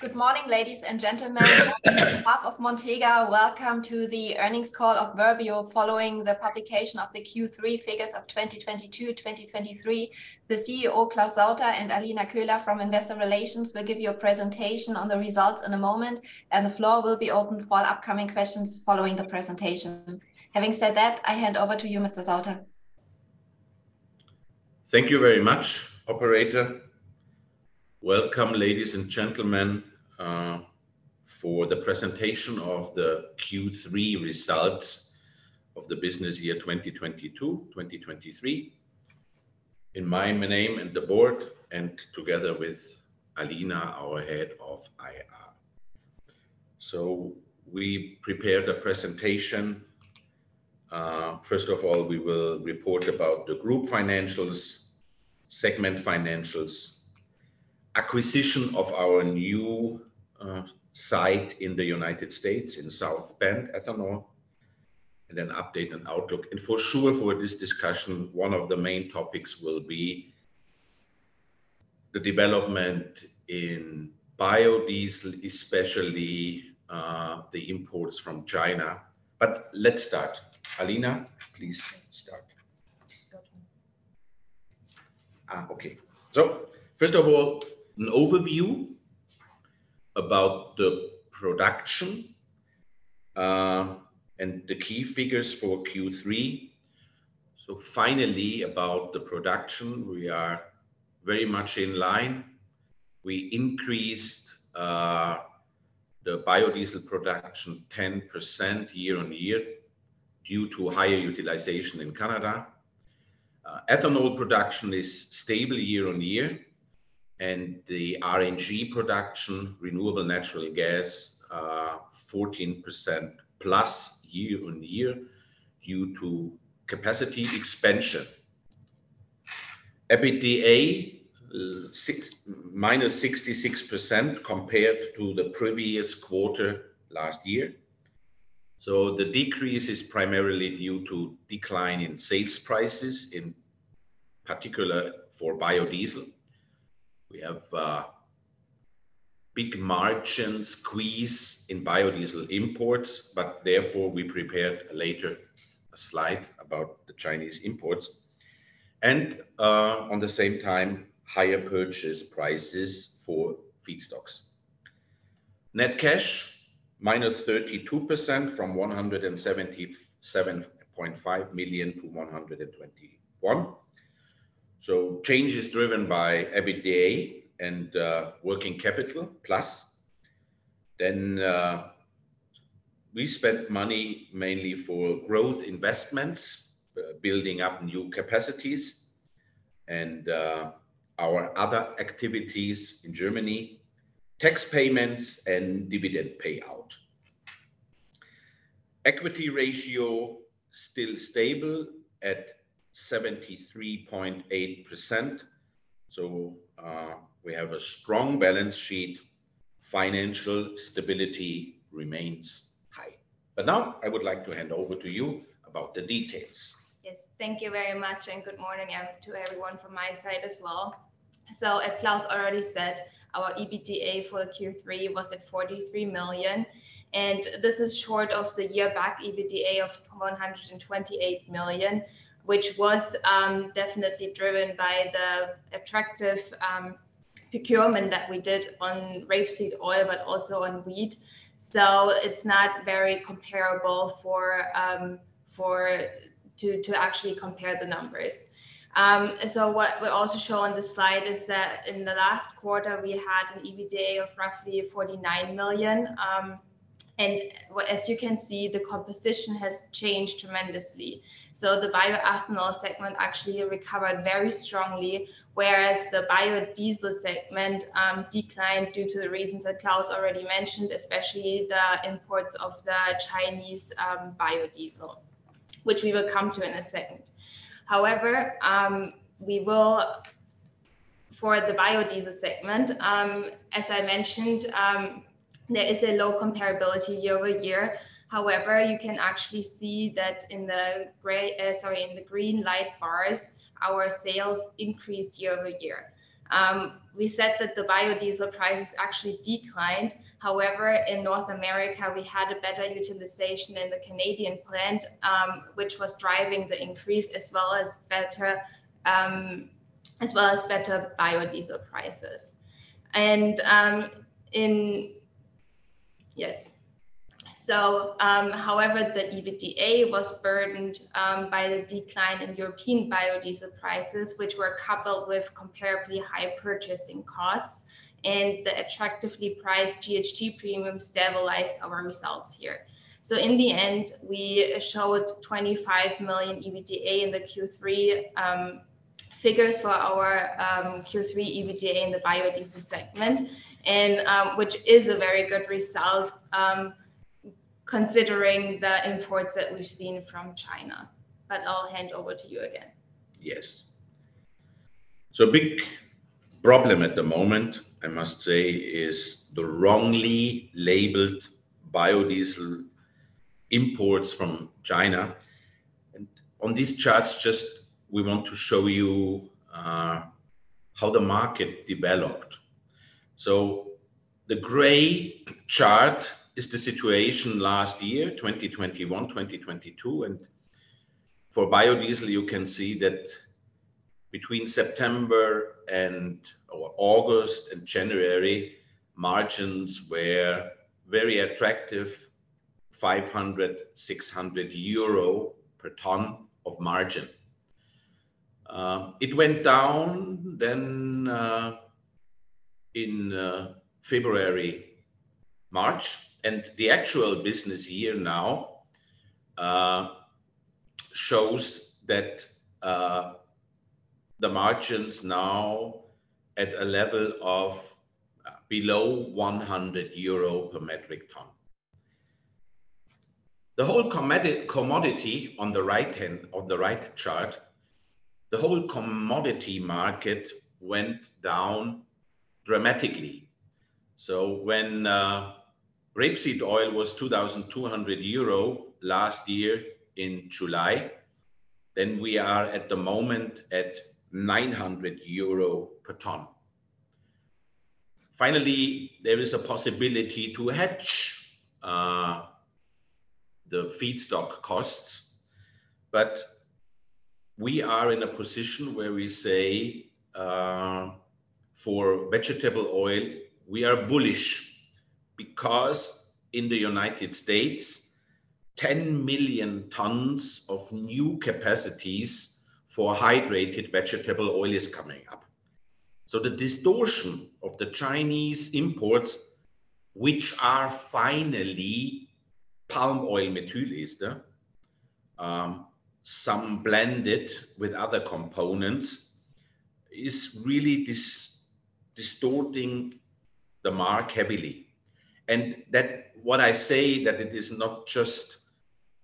Good morning, ladies and gentlemen. On behalf of Montega, welcome to the earnings call of Verbio following the publication of the Q3 figures of 2022, 2023. The CEO, Claus Sauter, and Alina Köhler from Investor Relations will give you a presentation on the results in a moment. The floor will be open for upcoming questions following the presentation. Having said that, I hand over to you, Mr. Sauter. Thank you very much, operator. Welcome, ladies and gentlemen, for the presentation of the Q3 results of the business year 2022, 2023. In my name and the board and together with Alina, our head of IR. We prepared a presentation. First of all, we will report about the group financials, segment financials, acquisition of our new site in the United States, in South Bend Ethanol, and update and outlook. For sure, for this discussion, one of the main topics will be the development in biodiesel, especially the imports from China. Let's start. Alina, please start. Got you. Okay. First of all, an overview about the production and the key figures for Q3. Finally, about the production, we are very much in line. We increased the Biodiesel production 10% year-over-year due to higher utilization in Canada. Ethanol production is stable year-over-year, and the RNG production, renewable natural gas, 14% plus year-over-year due to capacity expansion. EBITDA, -66% compared to the previous quarter last year. The decrease is primarily due to decline in sales prices, in particular for Biodiesel. We have a big margin squeeze in Biodiesel imports, but therefore we prepared later a slide about the Chinese imports and on the same time, higher purchase prices for feedstocks. Net cash, -32% from 177.5 million to 121 million. Change is driven by EBITDA and working capital plus. We spent money mainly for growth investments, building up new capacities and our other activities in Germany, tax payments, and dividend payout. Equity ratio still stable at 73.8%, we have a strong balance sheet. Financial stability remains high. Now I would like to hand over to you about the details. Yes. Thank you very much, and good morning to everyone from my side as well. As Claus already said, our EBITDA for Q3 was at 43 million, and this is short of the year back EBITDA of 128 million, which was definitely driven by the attractive procurement that we did on rapeseed oil, but also on wheat. It's not very comparable for to actually compare the numbers. What we also show on this slide is that in the last quarter we had an EBITDA of roughly 49 million, and as you can see, the composition has changed tremendously. The bioethanol segment actually recovered very strongly, whereas the Biodiesel segment declined due to the reasons that Claus already mentioned, especially the imports of the Chinese Biodiesel, which we will come to in a second. For the Biodiesel segment, as I mentioned, there is a low comparability year-over-year. You can actually see that in the gray, sorry, in the green light bars, our sales increased year-over-year. We said that the Biodiesel prices actually declined, however, in North America, we had a better utilization in the Canadian plant, which was driving the increase as well as better, as well as better Biodiesel prices. Yes. However, the EBITDA was burdened by the decline in European biodiesel prices, which were coupled with comparably high purchasing costs and the attractively priced GHG premium stabilized our results here. In the end, we showed 25 million EBITDA in the Q3 figures for our Q3 EBITDA in the biodiesel segment and which is a very good result considering the imports that we've seen from China. I'll hand over to you again. A big problem at the moment, I must say, is the wrongly labeled biodiesel imports from China. On these charts, just we want to show you how the market developed. The gray chart is the situation last year, 2021, 2022. For biodiesel, you can see that between September and or August and January, margins were very attractive, 500-600 euro per ton of margin. It went down then in February, March. The actual business year now shows that the margins now at a level of below 100 euro per metric ton. The whole commodity on the right chart, the whole commodity market went down dramatically. When rapeseed oil was 2,200 euro last year in July, then we are at the moment at 900 euro per ton. Finally, there is a possibility to hedge the feedstock costs. We are in a position where we say, for vegetable oil, we are bullish because in the United States, 10 million tons of new capacities for Hydrotreated Vegetable Oil is coming up. The distortion of the Chinese imports, which are finally palm oil methyl ester, some blended with other components, is really distorting the mark heavily. That, what I say that it is not just,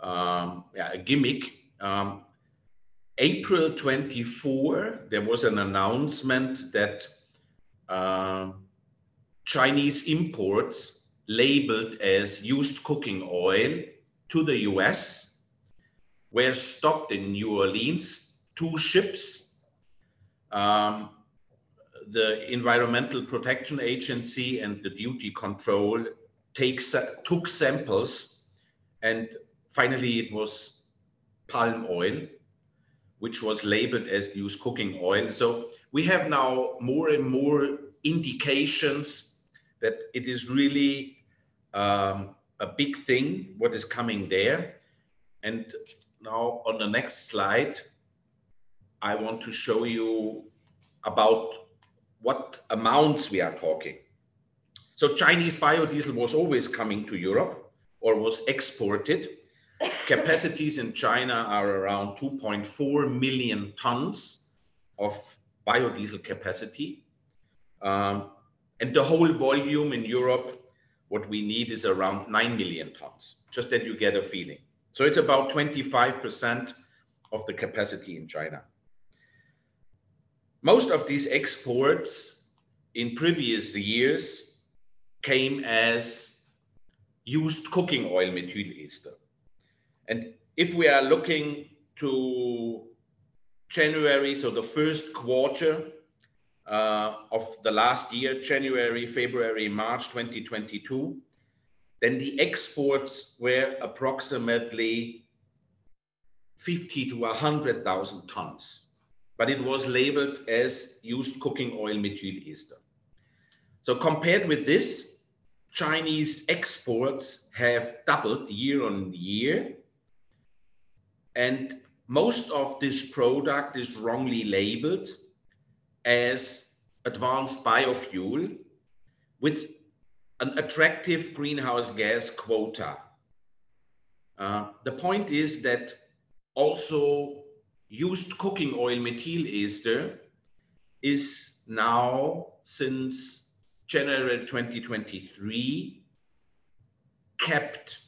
yeah, a gimmick. April 24, there was an announcement that Chinese imports labeled as used cooking oil to the U.S. were stopped in New Orleans, 2 ships. The Environmental Protection Agency and the Beauty Control took samples, and finally it was palm oil, which was labeled as used cooking oil. We have now more and more indications that it is really a big thing, what is coming there. Now on the next slide, I want to show you about what amounts we are talking. Chinese biodiesel was always coming to Europe or was exported. Capacities in China are around 2.4 million tons of biodiesel capacity. The whole volume in Europe, what we need is around 9 million tons, just that you get a feeling. It's about 25% of the capacity in China. Most of these exports in previous years came as used cooking oil methyl ester. If we are looking to January, so the first quarter of the last year, January, February, March 2022, the exports were approximately 50,000-100,000 tons. It was labeled as used cooking oil methyl ester. Compared with this, Chinese exports have doubled year-on-year, and most of this product is wrongly labeled as advanced biofuel with an attractive greenhouse gas quota. The point is that also used cooking oil methyl ester is now, since January 2023, kept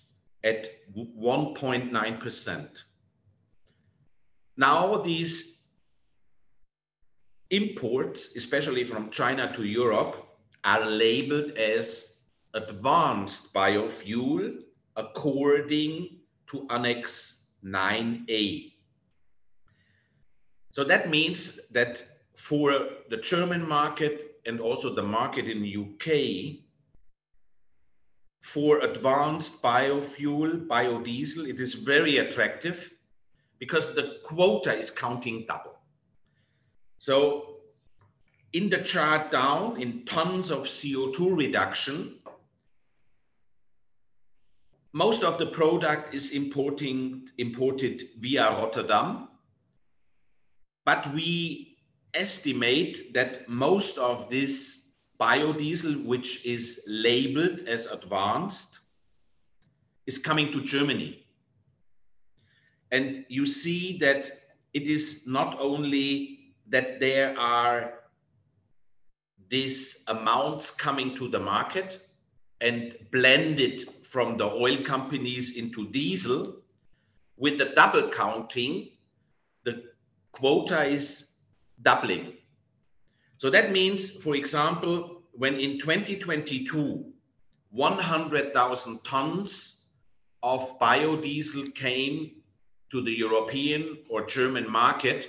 at 1.9%. These imports, especially from China to Europe, are labeled as advanced biofuel according to Annex 9A. That means that for the German market and also the market in U.K., for advanced biofuel, Biodiesel, it is very attractive because the quota is counting double. In the chart down in tons of CO2 reduction, most of the product is imported via Rotterdam. We estimate that most of this biodiesel, which is labeled as advanced, is coming to Germany. You see that it is not only that there are these amounts coming to the market and blended from the oil companies into diesel. With the double counting, the quota is doubling. That means, for example, when in 2022, 100,000 tons of biodiesel came to the European or German market,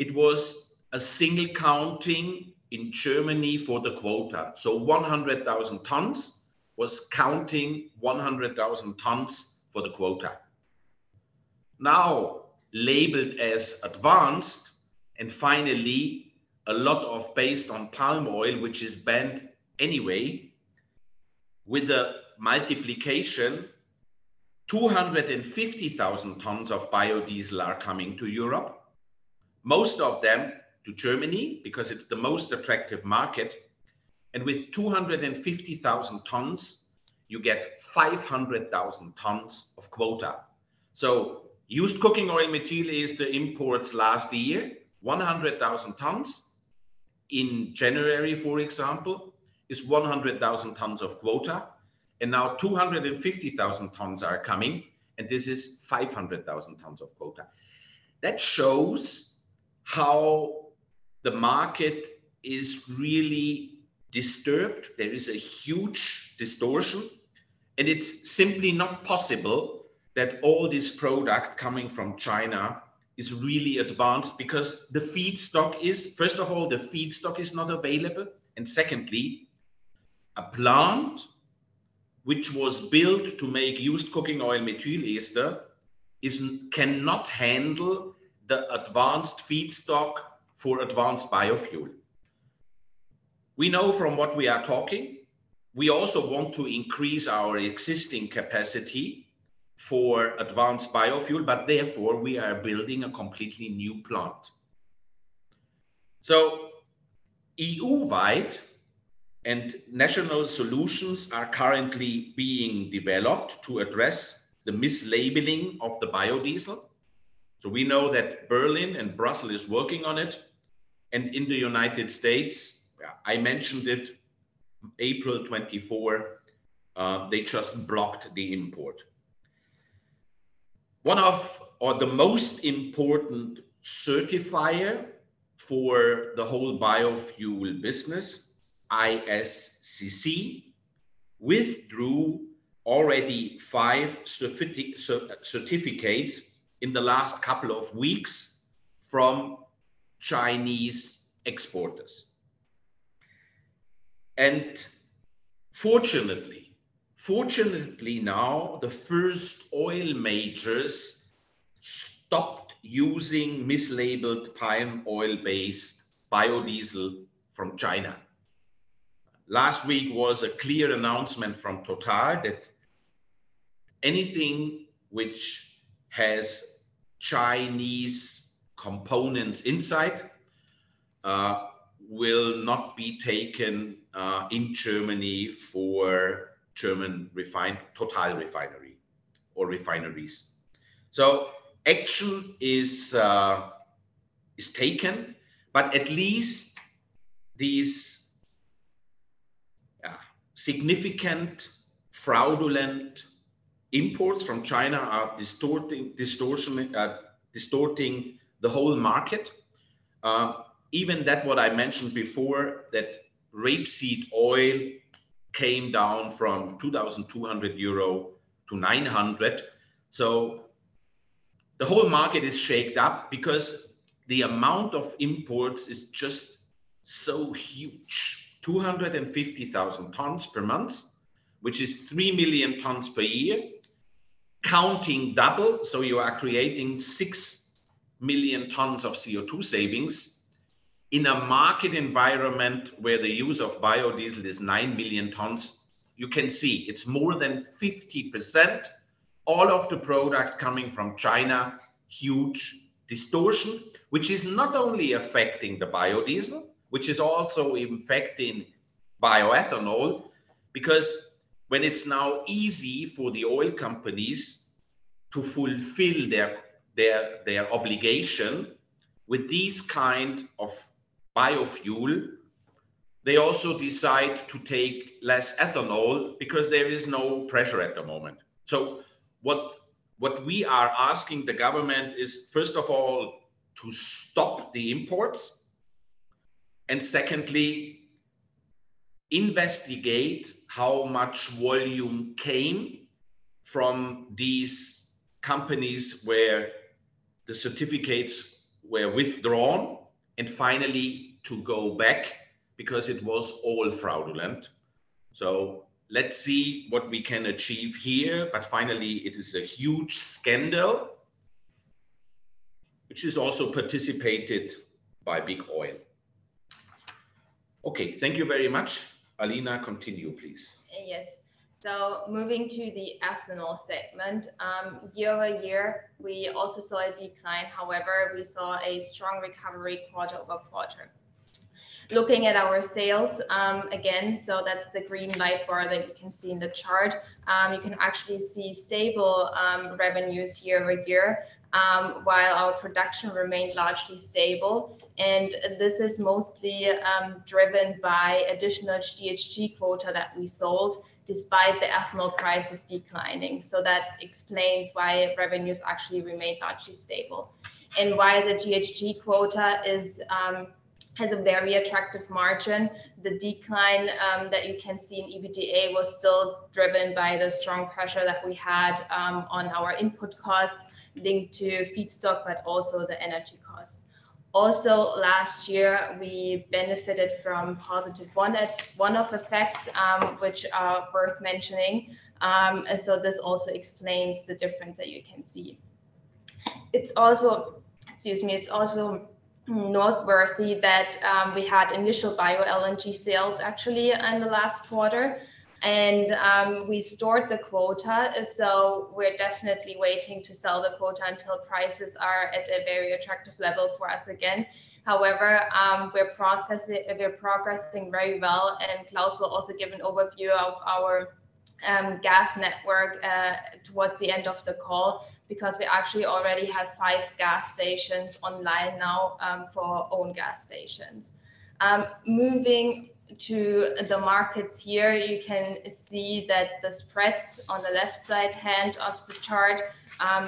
it was a single counting in Germany for the quota. One hundred thousand tons was counting 100,000 tons for the quota. Now labeled as advanced, finally a lot of based on palm oil, which is banned anyway, with a multiplication, 250,000 tons of Biodiesel are coming to Europe, most of them to Germany because it's the most attractive market. With 250,000 tons, you get 500,000 tons of quota. Used cooking oil methyl ester imports last year, 100,000 tons. In January, for example, is 100,000 tons of quota. Now 250,000 tons are coming, and this is 500,000 tons of quota. That shows how the market is really disturbed. There is a huge distortion, and it's simply not possible that all this product coming from China is really advanced because First of all, the feedstock is not available. Secondly, a plant which was built to make used cooking oil methyl ester cannot handle the advanced feedstock for advanced biofuel. We know from what we are talking, we also want to increase our existing capacity for advanced biofuel, but therefore we are building a completely new plant. EU-wide and national solutions are currently being developed to address the mislabeling of the biodiesel. We know that Berlin and Brussels is working on it. In the United States, I mentioned it, April 24, they just blocked the import. One of or the most important certifier for the whole biofuel business, ISCC, withdrew already five certificates in the last couple of weeks from Chinese exporters. Fortunately now the first oil majors stopped using mislabeled palm oil-based biodiesel from China. Last week was a clear announcement from Total that anything which has Chinese components inside will not be taken in Germany for German Total refinery or refineries. Action is taken, but at least these significant fraudulent imports from China are distorting the whole market. Even that what I mentioned before, that rapeseed oil came down from 2,200-900 euro. The whole market is shaped up because the amount of imports is just so huge. 250,000 tons per month, which is 3 million tons per year, counting double. You are creating 6 million tons of CO₂ savings. In a market environment where the use of biodiesel is 9 million tons, you can see it's more than 50% all of the product coming from China, huge distortion. Which is not only affecting the Biodiesel, which is also affecting bioethanol, because when it's now easy for the oil companies to fulfill their obligation with these kind of biofuel, they also decide to take less ethanol because there is no pressure at the moment. What we are asking the government is, first of all, to stop the imports, and secondly, investigate how much volume came from these companies where the certificates were withdrawn, and finally to go back because it was all fraudulent. Let's see what we can achieve here. Finally, it is a huge scandal which is also participated by big oil. Thank you very much. Alina, continue, please. Yes. Moving to the ethanol segment. Year-over-year, we also saw a decline. However, we saw a strong recovery quarter-over-quarter. Looking at our sales, again, that's the green light bar that you can see in the chart. You can actually see stable revenues year-over-year, while our production remained largely stable. This is mostly driven by additional GHG quota that we sold despite the ethanol prices declining. That explains why revenues actually remained largely stable and why the GHG quota has a very attractive margin. The decline that you can see in EBITDA was still driven by the strong pressure that we had on our input costs linked to feedstock, but also the energy costs. Last year we benefited from positive one-off effects, which are worth mentioning, and this also explains the difference that you can see. It's also. Excuse me. It's also noteworthy that we had initial BioLNG sales actually in the last quarter, and we stored the quota. We're definitely waiting to sell the quota until prices are at a very attractive level for us again. We're progressing very well, and Claus will also give an overview of our gas network towards the end of the call, because we actually already have five gas stations online now for our own gas stations. Moving to the markets here, you can see that the spreads on the left side hand of the chart,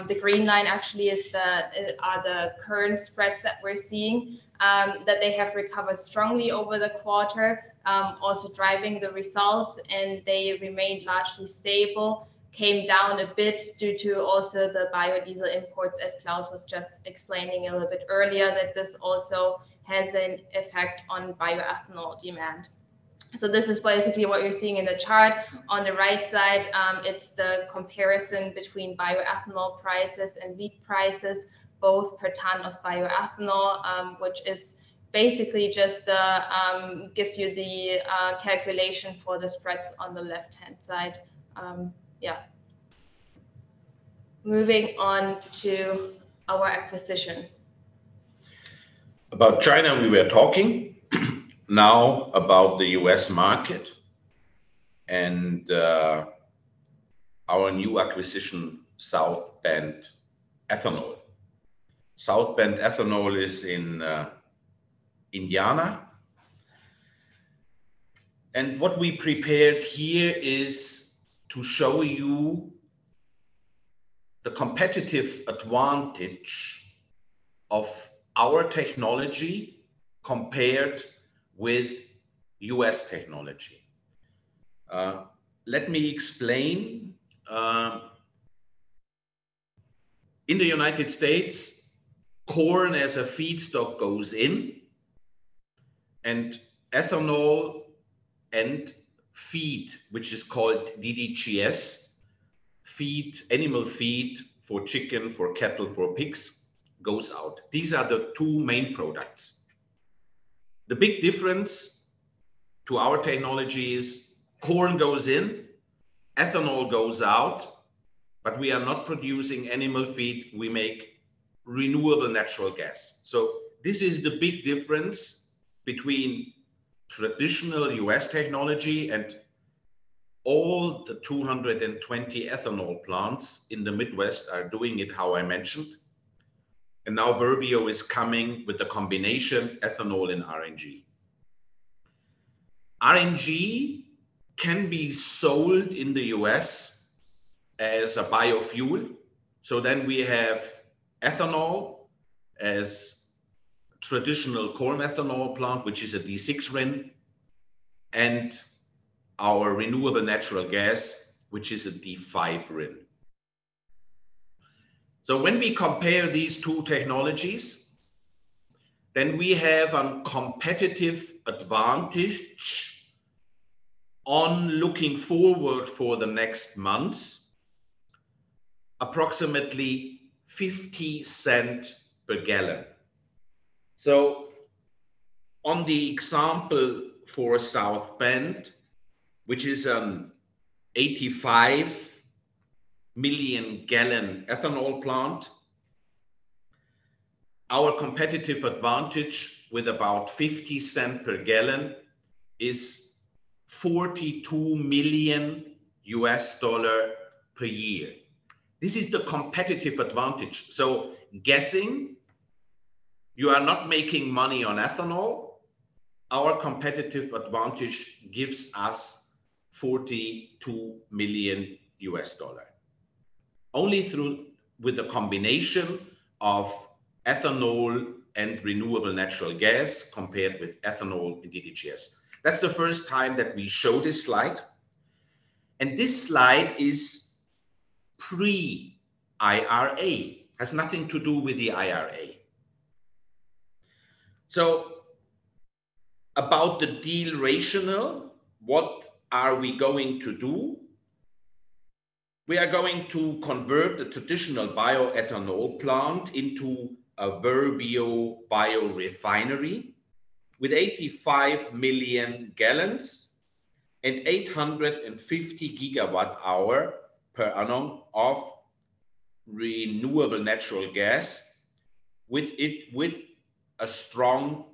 the green line actually are the current spreads that we're seeing, that they have recovered strongly over the quarter, also driving the results and they remained largely stable. Came down a bit due to also the Biodiesel imports, as Claus was just explaining a little bit earlier, that this also has an effect on bioethanol demand. This is basically what you're seeing in the chart. On the right side, it's the comparison between bioethanol prices and wheat prices, both per ton of bioethanol, which is basically just the gives you the calculation for the spreads on the left-hand side. Moving on to our acquisition. About China, we were talking. Now about the U.S. market and our new acquisition, South Bend Ethanol. South Bend Ethanol is in Indiana. What we prepared here is to show you the competitive advantage of our technology compared with U.S. technology. Let me explain. In the U.S., corn as a feedstock goes in, and ethanol and feed, which is called DDGS feed, animal feed for chicken, for cattle, for pigs, goes out. These are the two main products. The big difference to our technology is corn goes in, ethanol goes out, but we are not producing animal feed, we make renewable natural gas. This is the big difference between traditional U.S. technology and all the 220 ethanol plants in the Midwest are doing it how I mentioned. Now Verbio is coming with a combination ethanol and RNG. RNG can be sold in the U.S. as a biofuel. We have ethanol as traditional corn ethanol plant, which is a D6 RIN, and our renewable natural gas, which is a D5 RIN. When we compare these two technologies, then we have a competitive advantage on looking forward for the next months, approximately $0.50 per gallon. On the example for South Bend, which is an 85 million gallon ethanol plant, our competitive advantage with about $0.50 per gallon is $42 million per year. This is the competitive advantage. Guessing you are not making money on ethanol, our competitive advantage gives us $42 million only through with the combination of ethanol and renewable natural gas compared with ethanol and DDGS. That's the first time that we show this slide, and this slide is pre-IRA. Has nothing to do with the IRA. About the deal rationale, what are we going to do? We are going to convert the traditional bioethanol plant into a Verbio biorefinery with 85 million gallons and 850 GWh per annum of renewable natural gas with a strong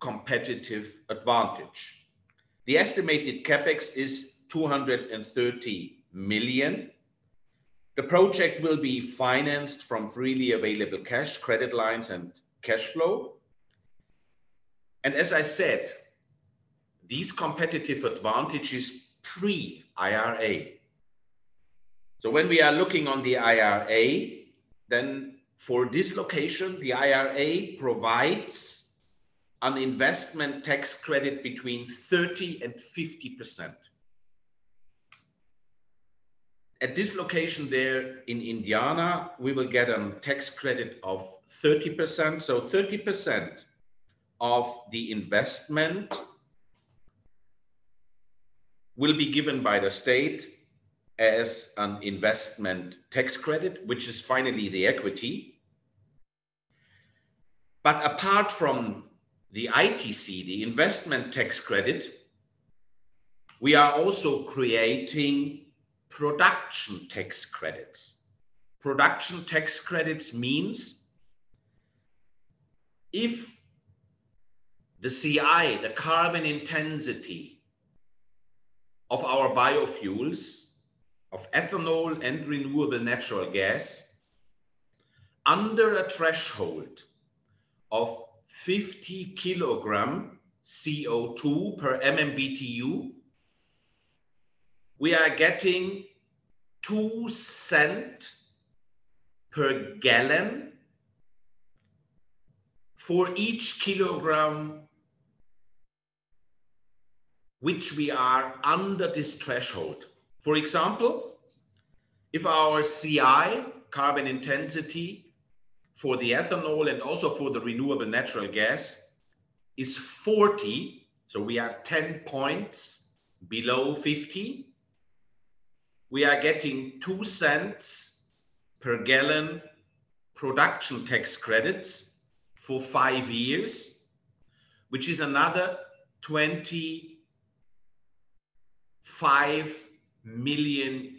competitive advantage. The estimated CapEx is $230 million. The project will be financed from freely available cash, credit lines and cash flow. As I said, these competitive advantage is pre-IRA. When we are looking on the IRA, for this location, the IRA provides an investment tax credit between 30% and 50%. At this location there in Indiana, we will get a tax credit of 30%. 30% of the investment will be given by the state as an investment tax credit, which is finally the equity. Apart from the ITC, the investment tax credit, we are also creating production tax credits. Production tax credits means if the CI, the carbon intensity of our biofuels, of ethanol and renewable natural gas, under a threshold of 50 kg CO2 per MMBTU, we are getting $0.02 per gallon for each kilogram which we are under this threshold. For example, if our CI, carbon intensity, for the ethanol and also for the renewable natural gas is 40, so we are 10 points below 50, we are getting $0.02 per gallon production tax credits for five years, which is another $25 million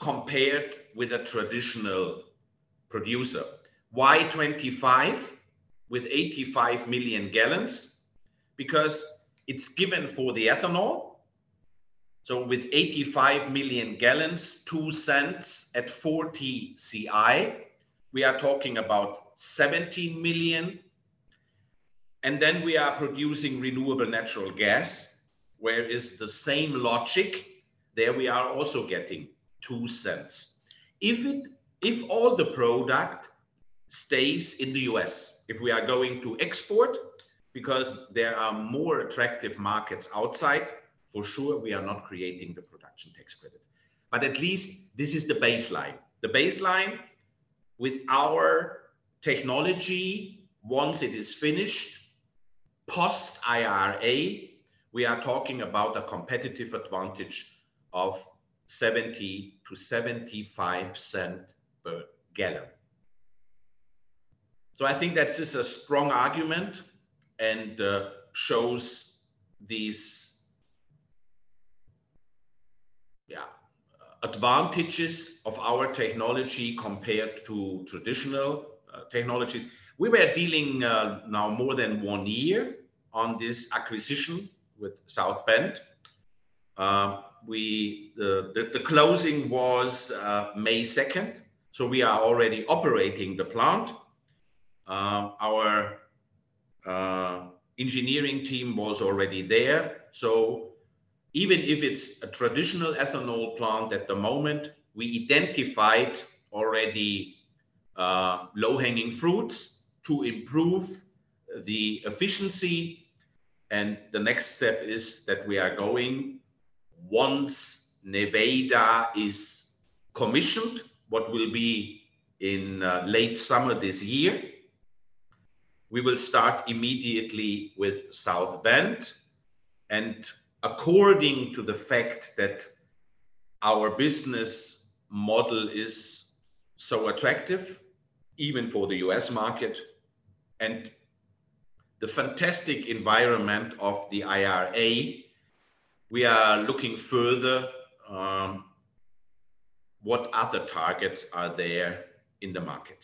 compared with a traditional producer. 25 with 85 million gallons? Because it's given for the ethanol. With 85 million gallons, $0.02 at 40 CI, we are talking about $17 million, and then we are producing renewable natural gas, where is the same logic. There we are also getting $0.02. If all the product stays in the U.S., if we are going to export, because there are more attractive markets outside, for sure we are not creating the production tax credit. At least this is the baseline. The baseline with our technology, once it is finished, post-IRA, we are talking about a competitive advantage of $0.70-$0.75 per gallon. I think that this a strong argument and shows these advantages of our technology compared to traditional technologies. We were dealing now more than 1 year on this acquisition with South Bend. The closing was May second, so we are already operating the plant. Our engineering team was already there. Even if it's a traditional ethanol plant at the moment, we identified already low-hanging fruits to improve the efficiency. The next step is that we are going, once Nevada is commissioned, what will be in late summer this year, we will start immediately with South Bend. According to the fact that our business model is so attractive, even for the U.S. market, and the fantastic environment of the IRA, we are looking further what other targets are there in the market.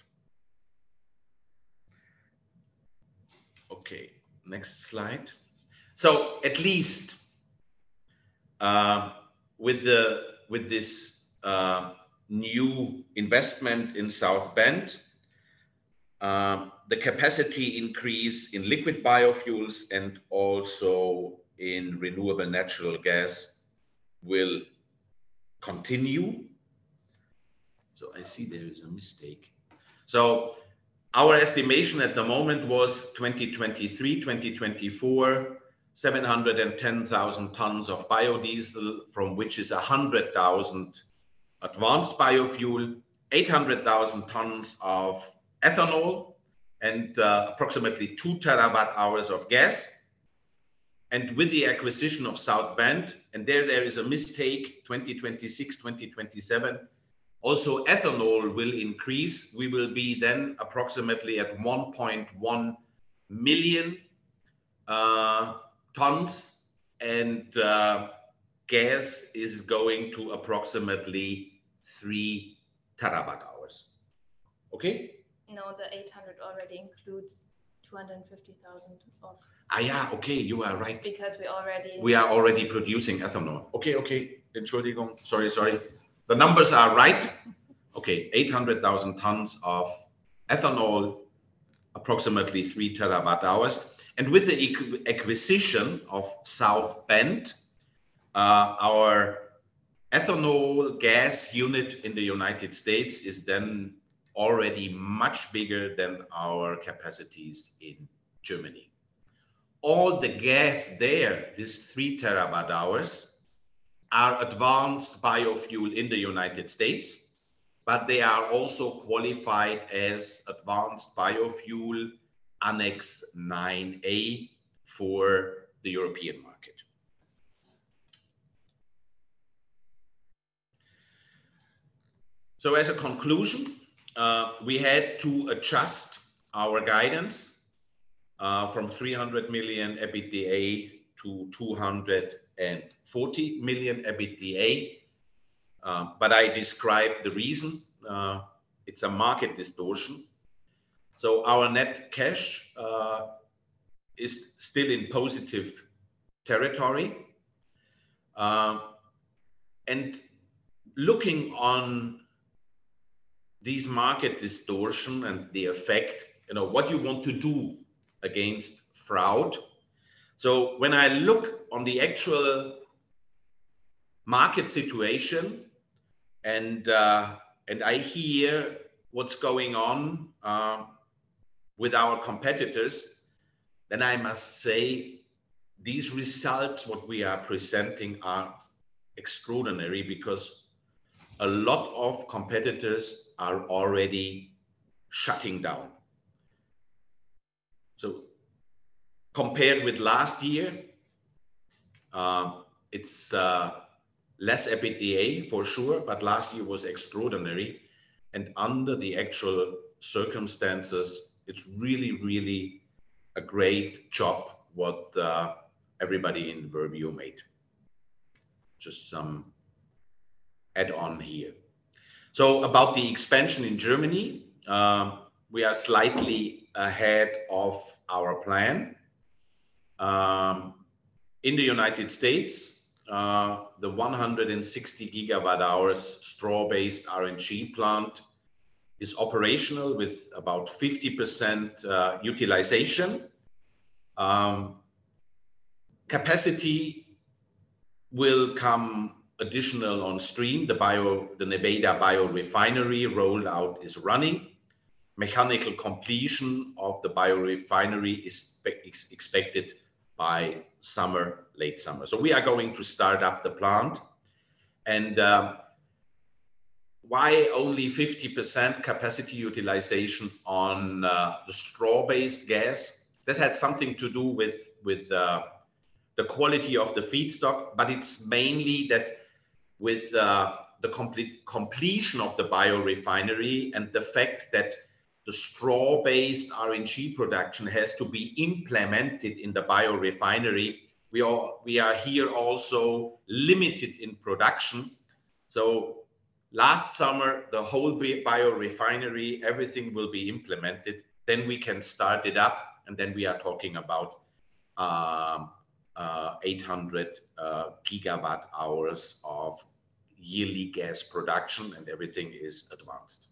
Next slide. At least, with this new investment in South Bend, the capacity increase in liquid biofuels and also in renewable natural gas will continue. I see there is a mistake. Our estimation at the moment was 2023, 2024, 710,000 tons of biodiesel, from which is 100,000 advanced biofuel, 800,000 tons of ethanol, and approximately 2 TWh of gas. With the acquisition of South Bend, and there is a mistake, 2026, 2027, also ethanol will increase. We will be then approximately at 1.1 million tons, and gas is going to approximately 3 TWh. Okay? No, the 800 already includes 250,000. Yeah. Okay. You are right. It's because we. We are already producing ethanol. Okay, okay. Mm-hmm. Sorry, sorry. The numbers are right. 800,000 tons of ethanol. Approximately 3 TWh. With the acquisition of South Bend, our ethanol gas unit in the United States is then already much bigger than our capacities in Germany. All the gas there, these 3 TWh, are advanced biofuel in the United States, but they are also qualified as advanced biofuel Annex IX, Part A for the European market. As a conclusion, we had to adjust our guidance from 300 million EBITDA to 240 million EBITDA. I described the reason, it's a market distortion. Our net cash is still in positive territory. Looking on these market distortion and the effect, you know, what you want to do against fraud. When I look on the actual market situation and I hear what's going on with our competitors, then I must say these results, what we are presenting, are extraordinary because a lot of competitors are already shutting down. Compared with last year, it's less EBITDA for sure, but last year was extraordinary, and under the actual circumstances, it's really, really a great job what everybody in Verbio made. Just some add on here. About the expansion in Germany, we are slightly ahead of our plan. In the United States, the 160 gigawatt-hours straw-based RNG plant is operational with about 50% utilization. Capacity will come additional on stream. The Nevada biorefinery rollout is running. Mechanical completion of the biorefinery is expected by summer, late summer. We are going to start up the plant. Why only 50% capacity utilization on the straw-based gas? This had something to do with the quality of the feedstock, but it's mainly that with the complete completion of the biorefinery and the fact that the straw-based RNG production has to be implemented in the biorefinery, we are here also limited in production. Last summer, the whole biorefinery, everything will be implemented, then we can start it up, and then we are talking about 800 gigawatt-hours of yearly gas production and everything is advanced.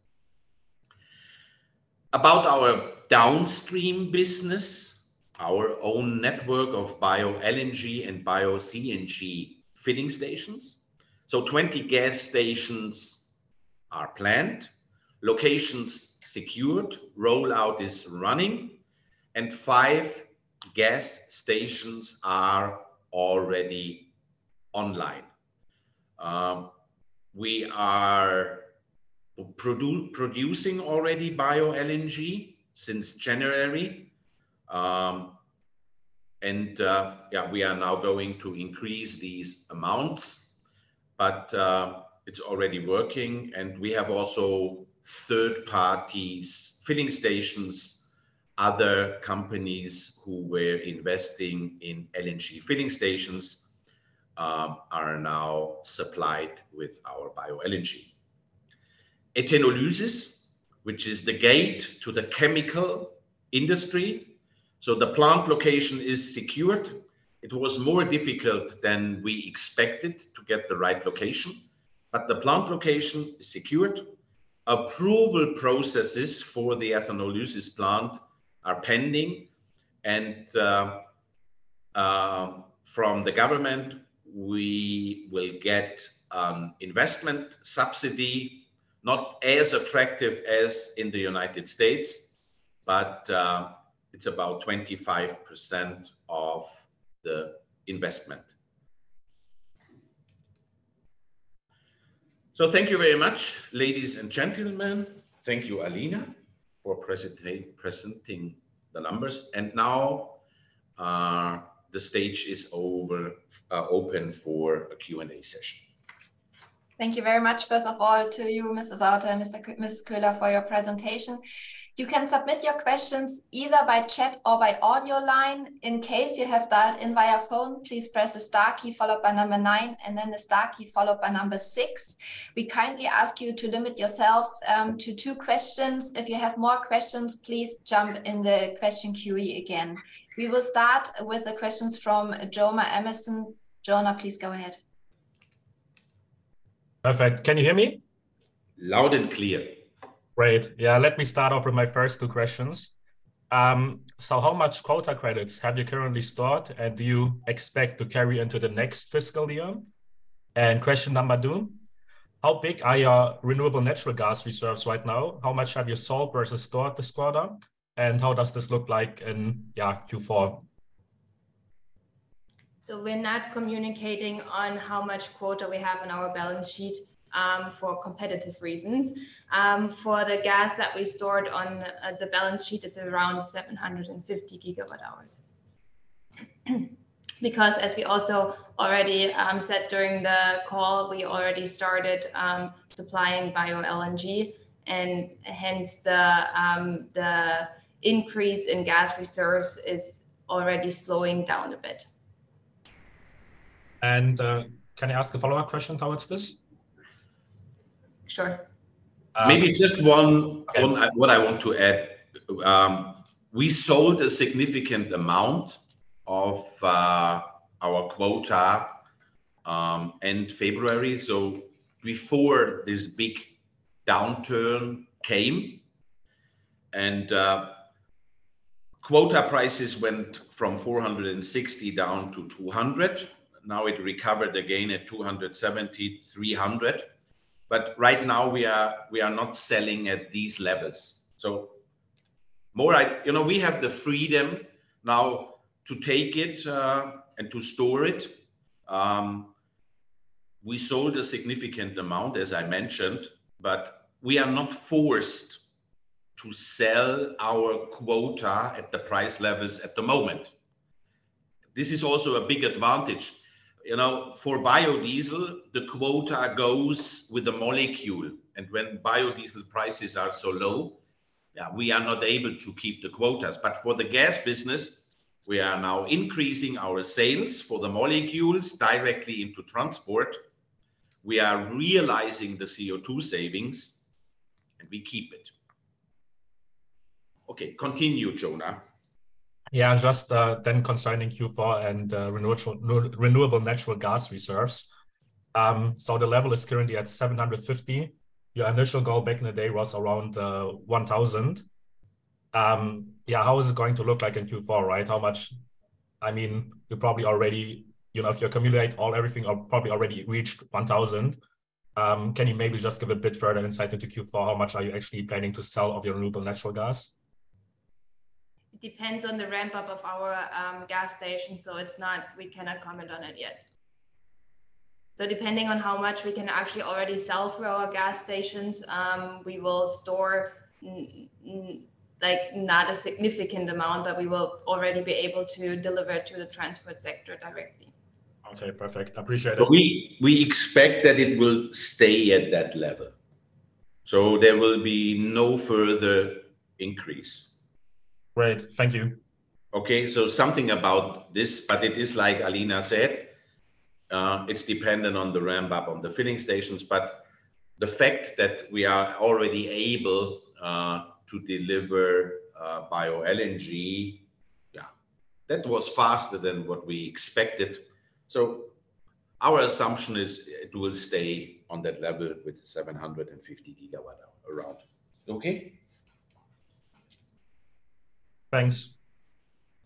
About our downstream business, our own network of BioLNG and BioCNG filling stations. 20 gas stations are planned, locations secured, rollout is running, and 5 gas stations are already online. We are producing already BioLNG since January. We are now going to increase these amounts, but it's already working. We have also third parties filling stations, other companies who were investing in LNG filling stations, are now supplied with our BioLNG. Ethanolysis, which is the gate to the chemical industry. The plant location is secured. It was more difficult than we expected to get the right location, but the plant location is secured. Approval processes for the ethanolysis plant are pending. From the government, we will get investment subsidy, not as attractive as in the United States, but it's about 25% of the investment. Thank you very much, ladies and gentlemen. Thank you, Alina, for presenting the numbers. Now, the stage is open for a Q&A session. Thank you very much, first of all to you, Mr. Sauter and Ms. Köhler, for your presentation. You can submit your questions either by chat or by audio line. In case you have dialed in via phone, please press the star key followed by nine and then the star key followed by six. We kindly ask you to limit yourself to two questions. If you have more questions, please jump in the question queue again. We will start with the questions from Jochen Schmitt. Jochen, please go ahead. Perfect. Can you hear me? Loud and clear. Great. Let me start off with my first two questions. How much quota credits have you currently stored, and do you expect to carry into the next fiscal year? Question number two, how big are your renewable natural gas reserves right now? How much have you sold versus stored this quarter, and how does this look like in Q4? We're not communicating on how much quota we have in our balance sheet for competitive reasons. For the gas that we stored on the balance sheet, it's around 750 GWh. As we also already said during the call, we already started supplying BioLNG, and hence the increase in gas reserves is already slowing down a bit. Can I ask a follow-up question towards this? Sure. Maybe just one. What I want to add. We sold a significant amount of our quota end February, so before this big downturn came. Quota prices went from 460 down to 200. Now it recovered again at 270, 300. Right now we are not selling at these levels. You know, we have the freedom now to take it and to store it. We sold a significant amount, as I mentioned, we are not forced to sell our quota at the price levels at the moment. This is also a big advantage. You know, for Biodiesel, the quota goes with the molecule. When Biodiesel prices are so low, we are not able to keep the quotas. For the gas business, we are now increasing our sales for the molecules directly into transport. We are realizing the CO2 savings, and we keep it. Okay, continue, Jonah. Just concerning Q4 and renewable natural gas reserves. The level is currently at 750. Your initial goal back in the day was around 1,000. How is it going to look like in Q4, right? How much... I mean, you probably already... You know, if you accumulate all, everything, probably already reached 1,000. Can you maybe just give a bit further insight into Q4? How much are you actually planning to sell of your renewable natural gas? It depends on the ramp-up of our gas stations, so we cannot comment on it yet. Depending on how much we can actually already sell through our gas stations, we will store, like, not a significant amount, but we will already be able to deliver to the transport sector directly. Okay, perfect. Appreciate it. We expect that it will stay at that level, so there will be no further increase. Great. Thank you. Okay. Something about this, but it is like Alina said, it's dependent on the ramp-up on the filling stations. The fact that we are already able to deliver bioLNG, yeah, that was faster than what we expected. Our assumption is it will stay on that level with 750 GWh around. Okay? Thanks.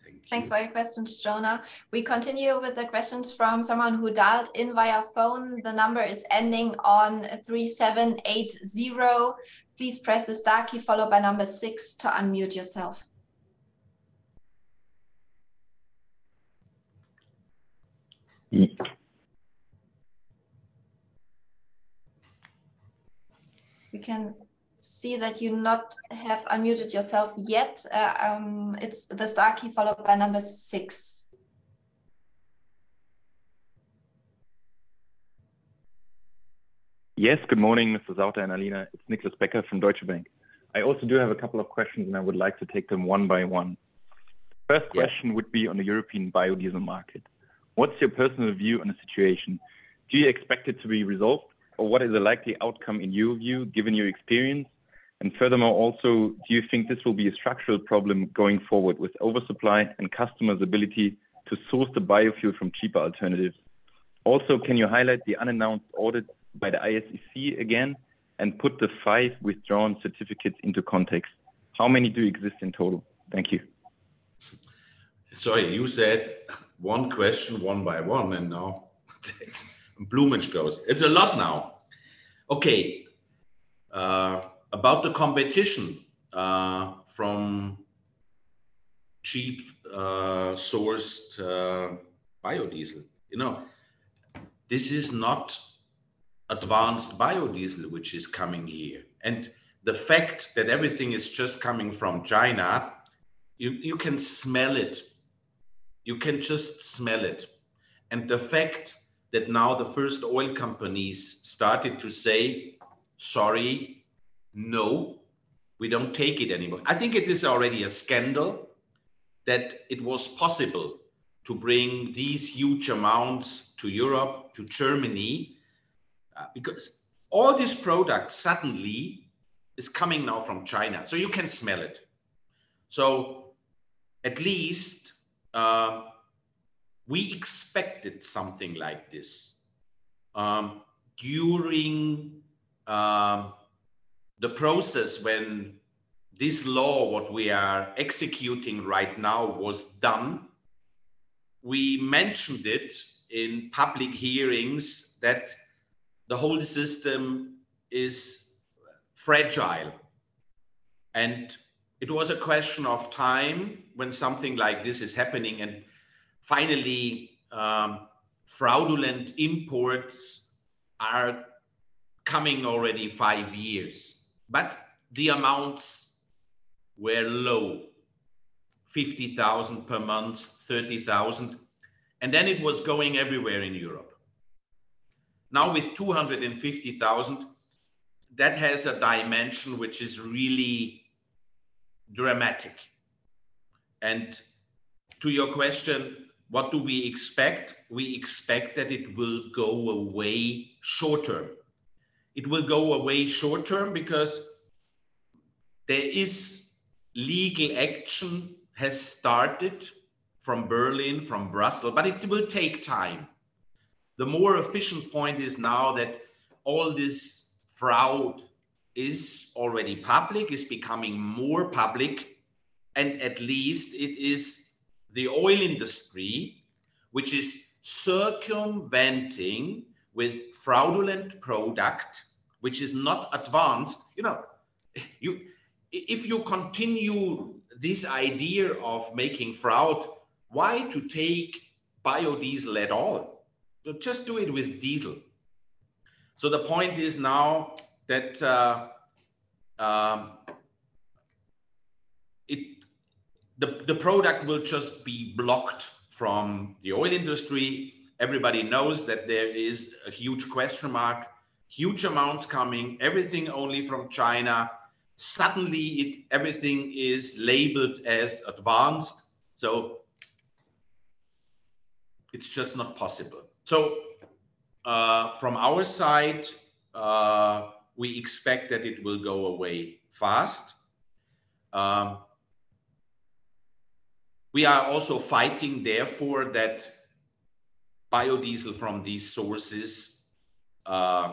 Thank you. Thanks for your questions, Jonah. We continue with the questions from someone who dialed in via phone. The number is ending on 3780. Please press the star key followed by number six to unmute yourself. We can see that you not have unmuted yourself yet. It's the star key followed by number six. Yes. Good morning, Mr. Sauter and Alina. It's Niklas Becker from Deutsche Bank. I also do have a couple of questions, and I would like to take them one by one. Yeah. First question would be on the European biodiesel market. What's your personal view on the situation? Do you expect it to be resolved, or what is the likely outcome in your view, given your experience? Furthermore also, do you think this will be a structural problem going forward with oversupply and customers' ability to source the biofuel from cheaper alternatives? Also, can you highlight the unannounced audit by the ISCC again and put the five withdrawn certificates into context? How many do exist in total? Thank you. Sorry, you said one question one by one, now Bloom and goes. It's a lot now. Okay. About the competition from cheap sourced biodiesel. You know, this is not advanced biodiesel which is coming here. The fact that everything is just coming from China, you can smell it. You can just smell it. The fact that now the first oil companies started to say, "Sorry. No, we don't take it anymore," I think it is already a scandal that it was possible to bring these huge amounts to Europe, to Germany, because all this product suddenly is coming now from China, so you can smell it. At least, we expected something like this. During the process when this law, what we are executing right now, was done, we mentioned it in public hearings that the whole system is fragile. It was a question of time when something like this is happening. Finally, fraudulent imports are coming already five years. The amounts were low, 50,000 per month, 30,000, and then it was going everywhere in Europe. Now, with 250,000, that has a dimension which is really dramatic. To your question, what do we expect? We expect that it will go away short-term. It will go away short-term because there is legal action has started from Berlin, from Brussels, but it will take time. The more efficient point is now that all this fraud is already public, is becoming more public, and at least it is the oil industry which is circumventing with fraudulent product, which is not advanced. You know, if you continue this idea of making fraud, why to take biodiesel at all? Just do it with diesel. The point is now that the product will just be blocked from the oil industry. Everybody knows that there is a huge question mark, huge amounts coming, everything only from China. Suddenly everything is labeled as advanced, so it's just not possible. From our side, we expect that it will go away fast. We are also fighting therefore that biodiesel from these sources, Uh.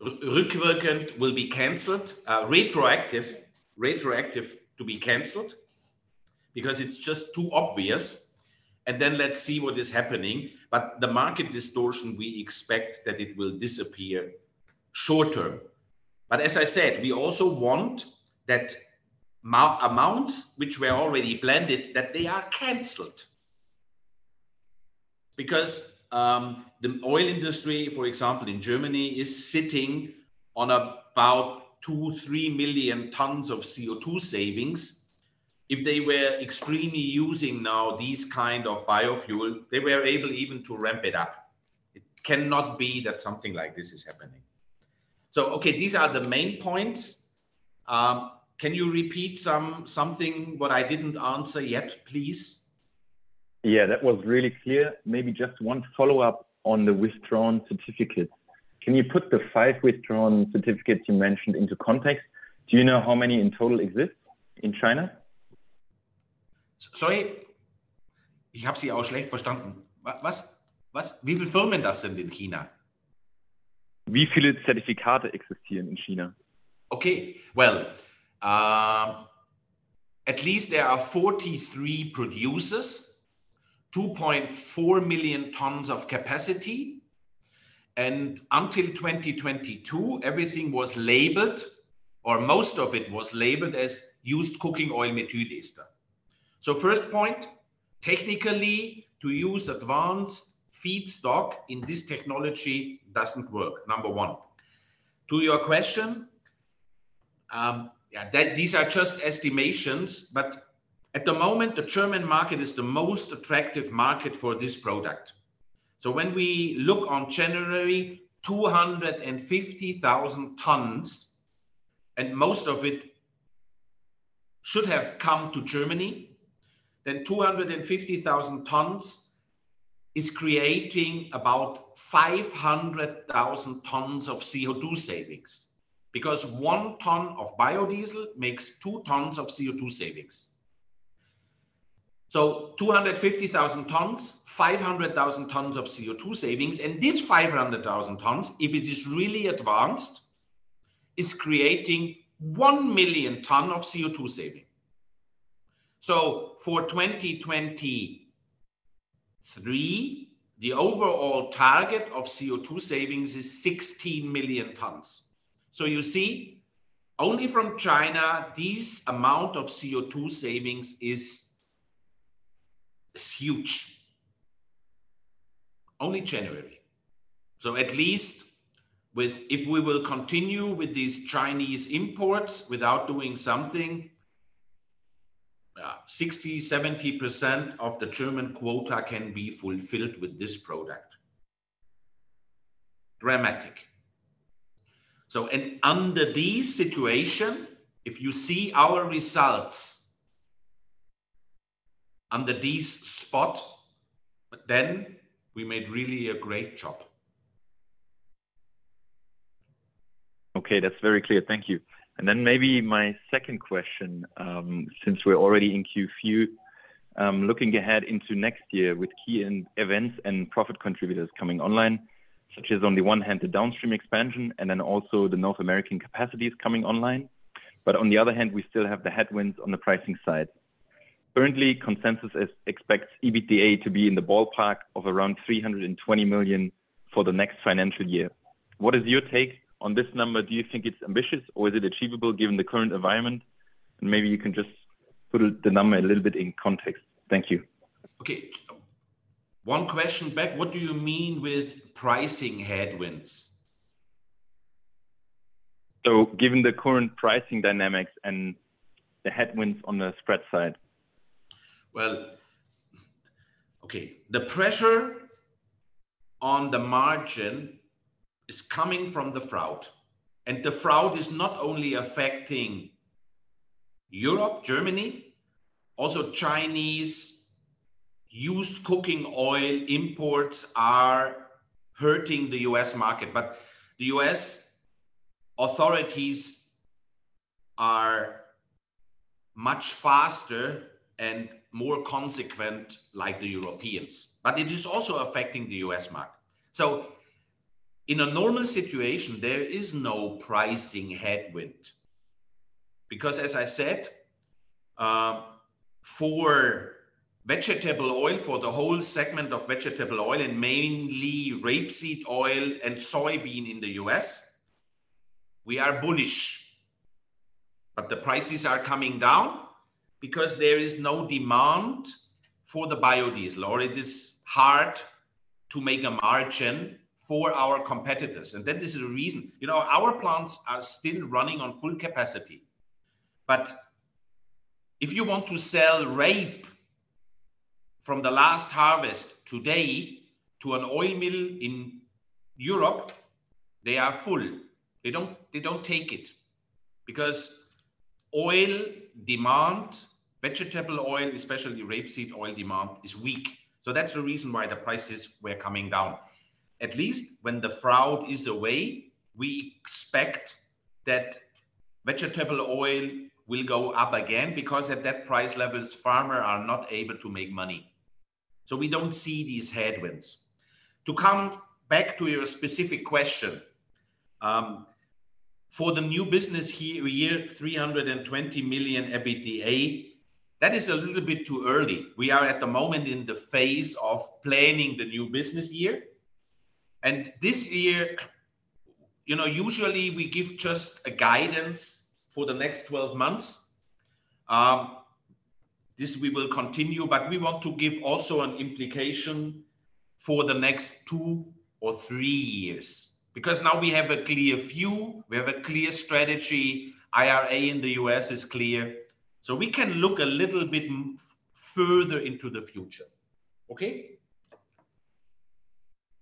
will be canceled. retroactive to be canceled because it's just too obvious. Let's see what is happening. The market distortion, we expect that it will disappear short-term. As I said, we also want that amounts which were already blended, that they are canceled. Because, the oil industry, for example, in Germany, is sitting on about 2 million-3 million tons of CO2 savings. If they were extremely using now these kind of biofuel, they were able even to ramp it up. It cannot be that something like this is happening. Okay, these are the main points. Can you repeat something what I didn't answer yet, please? Yeah, that was really clear. Maybe just one follow-up on the withdrawn certificates. Can you put the five withdrawn certificates you mentioned into context? Do you know how many in total exist in China? Sorry. Okay. Well, at least there are 43 producers, 2.4 million tons of capacity. Until 2022, everything was labeled, or most of it was labeled as used cooking oil methyl ester. First point, technically, to use advanced feedstock in this technology doesn't work, number one. To your question, yeah, these are just estimations, but at the moment, the German market is the most attractive market for this product. When we look on January, 250,000 tons, and most of it should have come to Germany, then 250,000 tons is creating about 500,000 tons of CO2 savings. 1 ton of Biodiesel makes 2 tons of CO2 savings. 250,000 tons, 500,000 tons of CO2 savings, and these 500,000 tons, if it is really advanced, is creating 1 million ton of CO2 saving. For 2023, the overall target of CO2 savings is 16 million tons. You see, only from China, this amount of CO2 savings is huge. Only January. At least if we will continue with these Chinese imports without doing something, 60%, 70% of the German quota can be fulfilled with this product. Dramatic. Under this situation, if you see our results under this spot, then we made really a great job. Okay, that's very clear. Thank you. Maybe my second question, since we're already in Q view, looking ahead into next year with key end events and profit contributors coming online, such as on the one hand, the downstream expansion and then also the North American capacities coming online. On the other hand, we still have the headwinds on the pricing side. Currently, consensus expects EBITDA to be in the ballpark of around 320 million for the next financial year. What is your take on this number? Do you think it's ambitious or is it achievable given the current environment? Maybe you can just put the number a little bit in context. Thank you. Okay. One question back. What do you mean with pricing headwinds? Given the current pricing dynamics and the headwinds on the spread side. Okay. The pressure on the margin is coming from the drought. The drought is not only affecting Europe, Germany, also Chinese used cooking oil imports are hurting the U.S. market. The U.S. authorities are much faster and more consequent like the Europeans. It is also affecting the U.S. market. In a normal situation, there is no pricing headwind, because as I said, for vegetable oil, for the whole segment of vegetable oil and mainly rapeseed oil and soybean in the U.S., we are bullish. The prices are coming down because there is no demand for the biodiesel, or it is hard to make a margin for our competitors. That is the reason. You know, our plants are still running on full capacity. If you want to sell rape from the last harvest today to an oil mill in Europe, they are full. They don't take it because oil demand, vegetable oil, especially rapeseed oil demand, is weak. That's the reason why the prices were coming down. At least when the drought is away, we expect that vegetable oil will go up again, because at that price levels, farmer are not able to make money. We don't see these headwinds. To come back to your specific question, for the new business year, 320 million EBITDA, that is a little bit too early. We are at the moment in the phase of planning the new business year. This year, you know, usually we give just a guidance for the next 12 months. This we will continue, but we want to give also an implication for the next two or three years. Now we have a clear view, we have a clear strategy, IRA in the U.S. is clear, so we can look a little bit further into the future. Okay?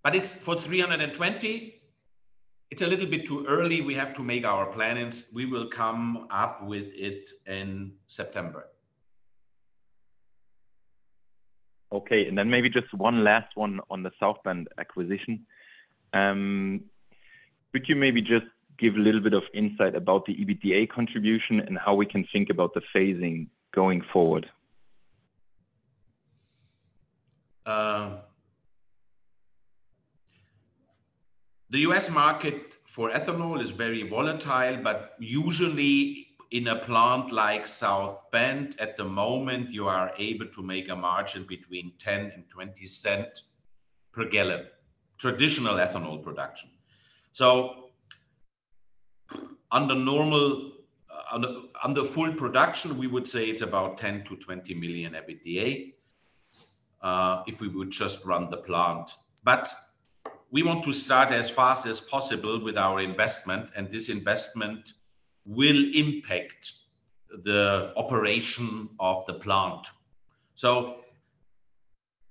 For 320, it's a little bit too early. We have to make our plannings. We will come up with it in September. Okay. Maybe just one last one on the South Bend acquisition. Could you maybe just give a little bit of insight about the EBITDA contribution and how we can think about the phasing going forward? The U.S. market for ethanol is very volatile, usually in a plant like South Bend, at the moment, you are able to make a margin between 10 and 20 cent per gallon, traditional ethanol production. Under full production, we would say it's about $10 million-$20 million EBITDA if we would just run the plant. We want to start as fast as possible with our investment, and this investment will impact the operation of the plant.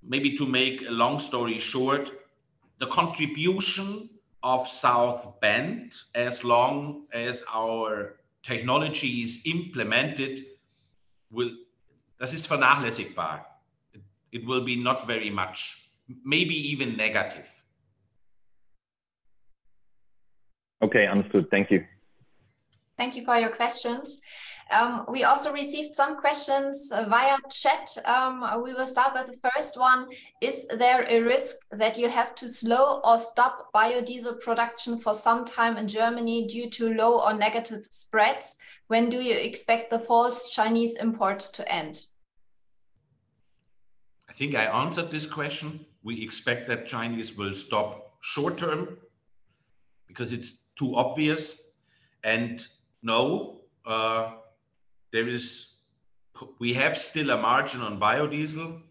Maybe to make a long story short, the contribution of South Bend, as long as our technology is implemented, will. It will be not very much, maybe even negative. Okay. Understood. Thank you. Thank you for your questions. We also received some questions via chat. We will start with the first one. Is there a risk that you have to slow or stop biodiesel production for some time in Germany due to low or negative spreads? When do you expect the false Chinese imports to end? I think I answered this question. We expect that Chinese will stop short term because it's too obvious. No, we have still a margin on biodiesel.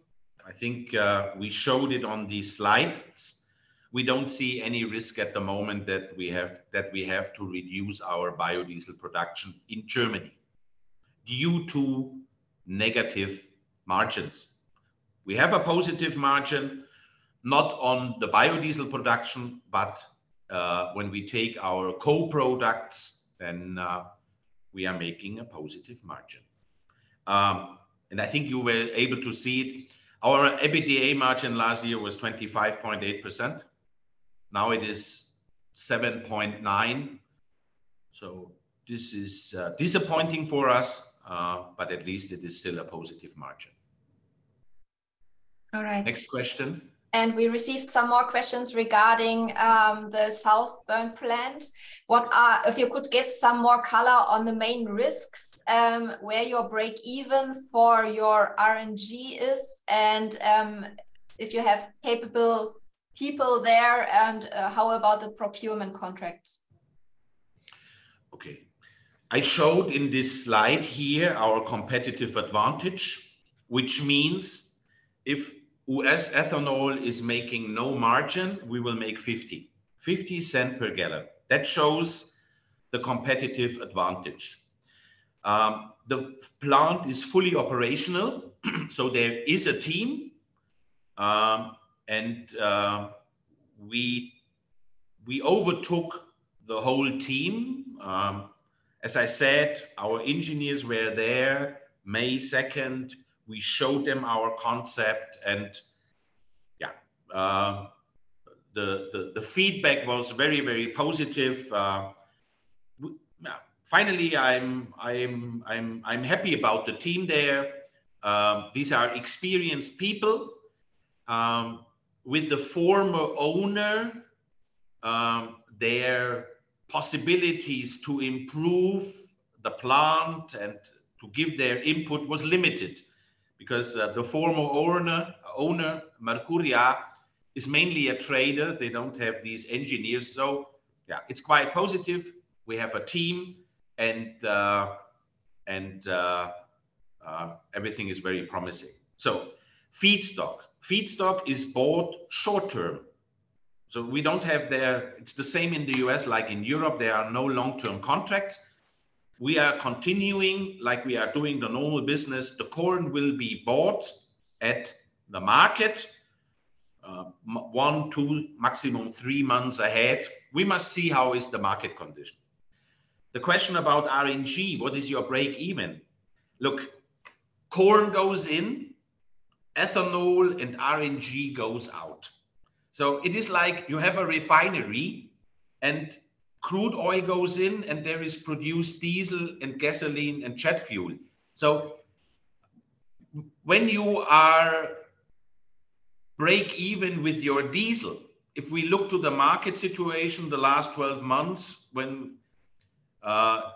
I think we showed it on the slides. We don't see any risk at the moment that we have to reduce our biodiesel production in Germany due to negative margins. We have a positive margin, not on the biodiesel production, but when we take our co-products, then we are making a positive margin. I think you were able to see it. Our EBITDA margin last year was 25.8%. Now it is 7.9%. This is disappointing for us, but at least it is still a positive margin. All right. Next question. We received some more questions regarding the South Bend plant. If you could give some more color on the main risks, where your break even for your RNG is, and if you have capable people there, and how about the procurement contracts? I showed in this slide here our competitive advantage, which means if U.S. ethanol is making no margin, we will make $0.50 per gallon. That shows the competitive advantage. The plant is fully operational. There is a team. And we overtook the whole team. As I said, our engineers were there May second. We showed them our concept and, yeah, the feedback was very, very positive. Finally, I'm happy about the team there. These are experienced people. With the former owner, their possibilities to improve the plant and to give their input was limited because the former owner, Mercuria, is mainly a trader. They don't have these engineers. Yeah, it's quite positive. We have a team and everything is very promising. Feedstock. Feedstock is bought short-term. We don't have the. It's the same in the U.S. like in Europe, there are no long-term contracts. We are continuing like we are doing the normal business. The corn will be bought at the market, 1 months, 2 months, maximum 3 months ahead. We must see how is the market condition. The question about RNG, what is your break even? Look, corn goes in, ethanol and RNG goes out. It is like you have a refinery and crude oil goes in, and there is produced diesel and gasoline and jet fuel. When you are break even with your diesel, if we look to the market situation the last 12 months when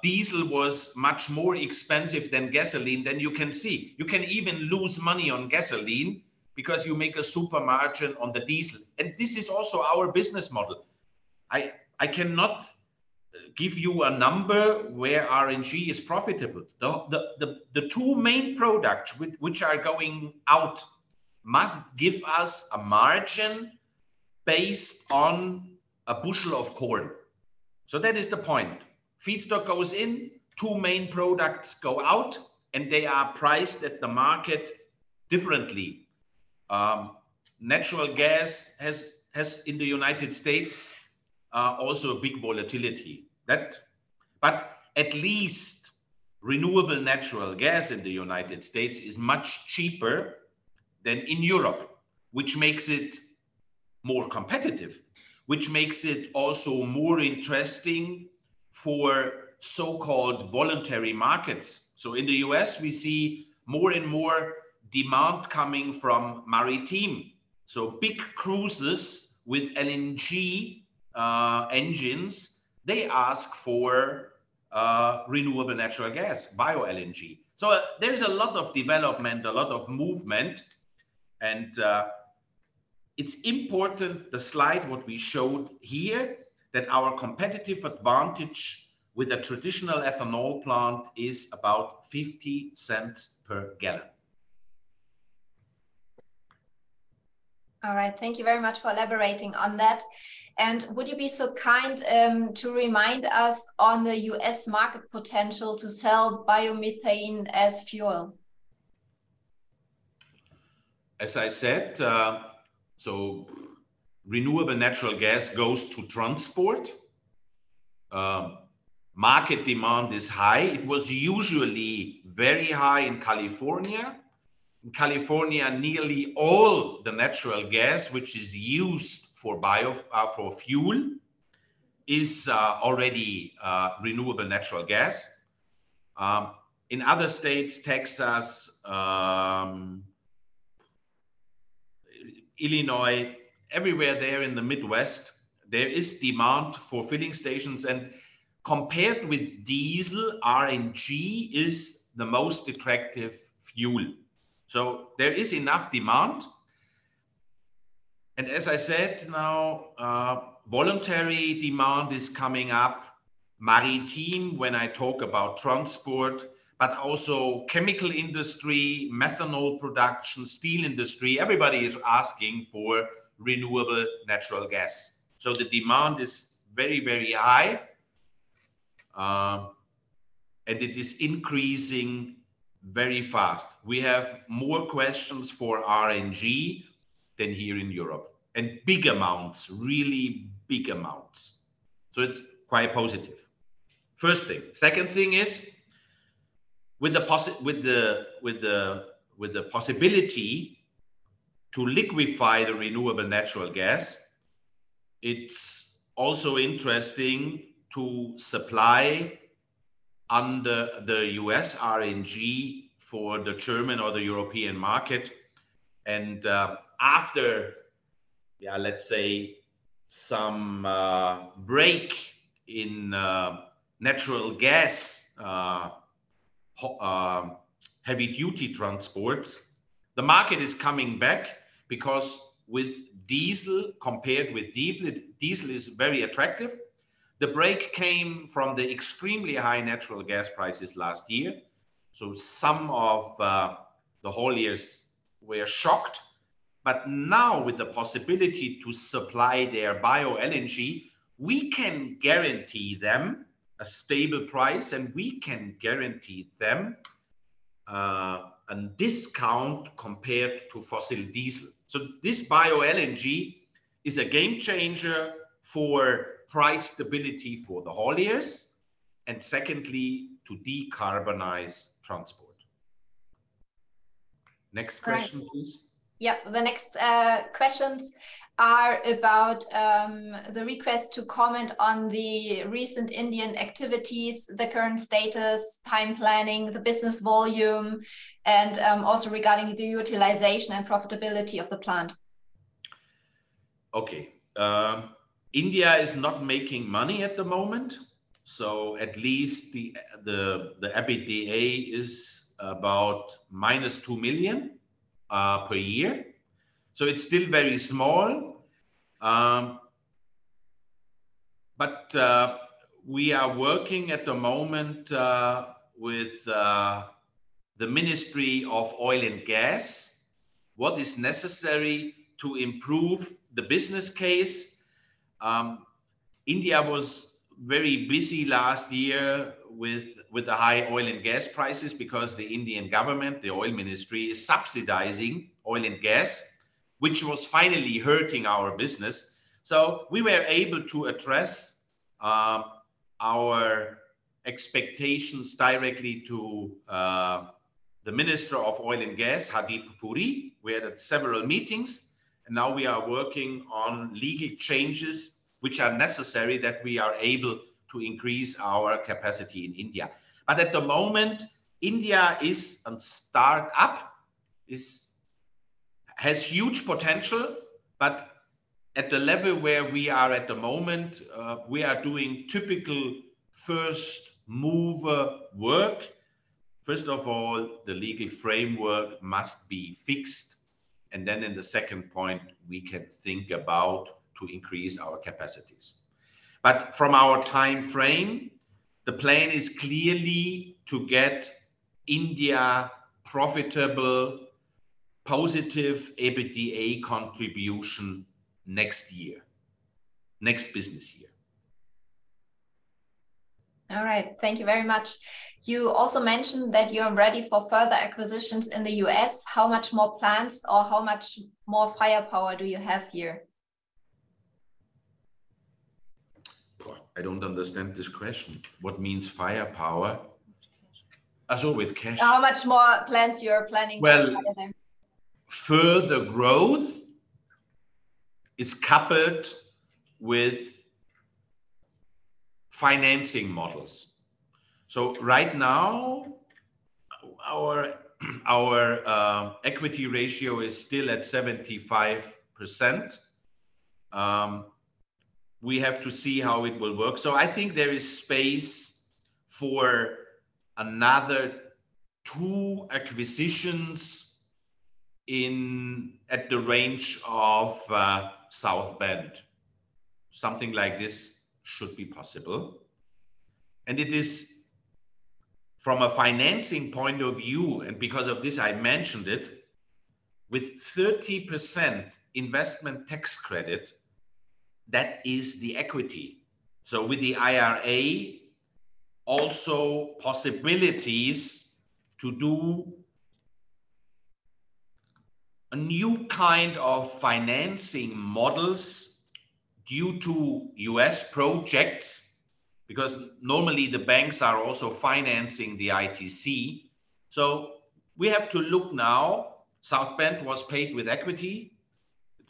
diesel was much more expensive than gasoline, then you can see. You can even lose money on gasoline because you make a super margin on the diesel. This is also our business model. I cannot give you a number where RNG is profitable. The two main products which are going out must give us a margin based on a bushel of corn. That is the point. Feedstock goes in, two main products go out, and they are priced at the market differently. Natural gas in the United States also a big volatility. At least renewable natural gas in the United States is much cheaper than in Europe, which makes it more competitive, which makes it also more interesting for so-called voluntary markets. In the U.S., we see more and more demand coming from maritime. Big cruises with LNG engines, they ask for renewable natural gas, bioLNG. There is a lot of development, a lot of movement, and, it's important, the slide what we showed here, that our competitive advantage with a traditional ethanol plant is about $0.50 per gallon. All right. Thank you very much for elaborating on that. Would you be so kind to remind us on the U.S. market potential to sell biomethane as fuel? As I said, so renewable natural gas goes to transport. Market demand is high. It was usually very high in California. In California, nearly all the natural gas, which is used for fuel is already renewable natural gas. In other states, Texas, Illinois, everywhere there in the Midwest, there is demand for filling stations, and compared with diesel, RNG is the most attractive fuel. There is enough demand. As I said now, voluntary demand is coming up. Maritime, when I talk about transport, but also chemical industry, methanol production, steel industry, everybody is asking for renewable natural gas. The demand is very high, and it is increasing very fast. We have more questions for RNG than here in Europe, and big amounts, really big amounts. It's quite positive. First thing. Second thing is, with the possibility to liquefy the renewable natural gas, it's also interesting to supply under the U.S. RNG for the German or the European market. After, let's say some break in natural gas heavy duty transports, the market is coming back because with diesel compared with diesel is very attractive. The break came from the extremely high natural gas prices last year, so some of the hauliers were shocked. Now with the possibility to supply their bioenergy, we can guarantee them a stable price and we can guarantee them a discount compared to fossil diesel. This bioenergy is a game changer for price stability for the hauliers, and secondly, to decarbonize transport. Next question, please. All right. Yeah. The next questions are about the request to comment on the recent Indian activities, the current status, time planning, the business volume, and also regarding the utilization and profitability of the plant. Okay. India is not making money at the moment, at least the EBITDA is about -2 million per year. It's still very small. We are working at the moment with the Ministry of Oil and Gas, what is necessary to improve the business case. India was very busy last year with the high oil and gas prices because the Indian government, the oil ministry, is subsidizing oil and gas, which was finally hurting our business. We were able to address our expectations directly to the Minister of Oil and Gas, Hardeep Singh Puri. We had several meetings, now we are working on legal changes which are necessary that we are able to increase our capacity in India. At the moment, India is a start-up. has huge potential. At the level where we are at the moment, we are doing typical first mover work. First of all, the legal framework must be fixed. Then in the second point, we can think about to increase our capacities. From our timeframe, the plan is clearly to get India profitable, positive EBITDA contribution next year, next business year. All right. Thank you very much. You also mentioned that you are ready for further acquisitions in the U.S. How much more plans or how much more firepower do you have here? Boy, I don't understand this question. What means firepower? With cash. Oh, with cash. How much more plans you are planning to acquire there? Further growth is coupled with financing models. Right now our equity ratio is still at 75%. We have to see how it will work. I think there is space for another two acquisitions in, at the range of South Bend. Something like this should be possible. It is from a financing point of view, and because of this I mentioned it, with 30% investment tax credit, that is the equity. With the IRA, also possibilities to do a new kind of financing models due to U.S. projects because normally the banks are also financing the ITC. We have to look now. South Bend was paid with equity.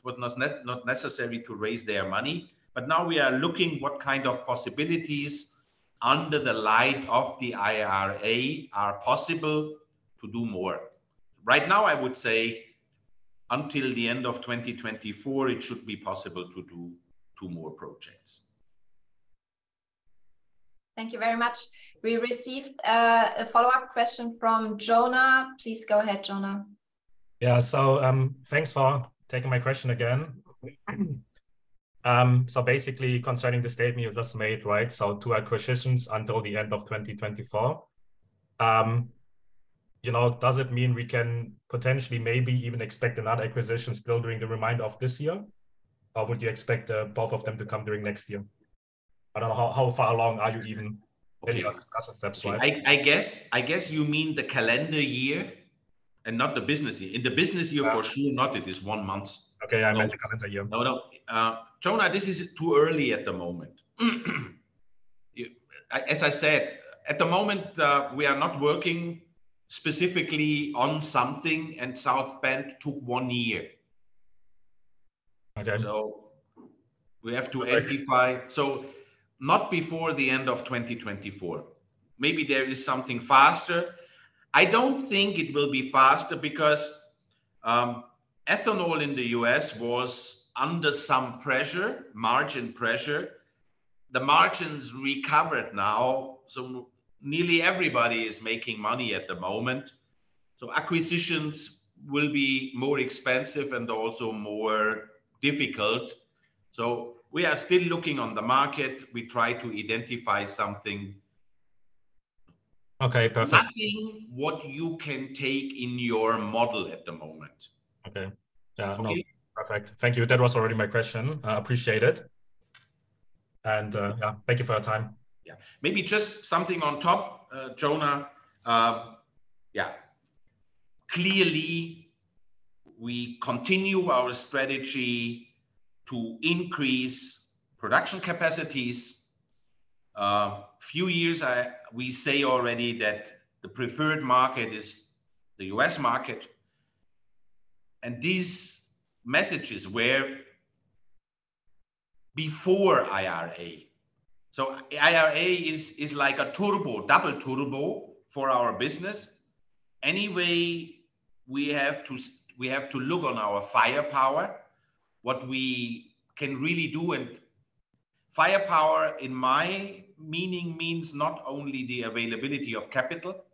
It was not necessary to raise their money. Now we are looking what kind of possibilities under the light of the IRA are possible to do more. Right now, I would say until the end of 2024, it should be possible to do two more projects. Thank you very much. We received a follow-up question from Jonah. Please go ahead, Jonah. Thanks for taking my question again. Basically concerning the statement you just made, right, so two acquisitions until the end of 2024, you know, does it mean we can potentially maybe even expect another acquisition still during the remainder of this year? Would you expect both of them to come during next year? I don't know. How far along are you? Okay... maybe on discussion steps right now? I guess you mean the calendar year? Not the business year. In the business year for sure not, it is one month. Okay. I meant the calendar year. No, no. Jonah, this is too early at the moment. As I said, at the moment, we are not working specifically on something, and South Bend took one year. Okay. we have to Right. Not before the end of 2024. Maybe there is something faster. I don't think it will be faster because ethanol in the U.S. was under some pressure, margin pressure. The margin's recovered now, nearly everybody is making money at the moment. Acquisitions will be more expensive and also more difficult. We are still looking on the market. We try to identify something. Okay, perfect. Nothing what you can take in your model at the moment. Okay. Yeah. Okay? No, perfect. Thank you. That was already my question. I appreciate it. Yeah, thank you for your time. Yeah. Maybe just something on top, Jonah. Yeah. Clearly we continue our strategy to increase production capacities. Few years we say already that the preferred market is the U.S. market, these messages were before IRA. IRA is like a turbo, double turbo for our business. Anyway, we have to look on our firepower, what we can really do. Firepower in my meaning means not only the availability of capital,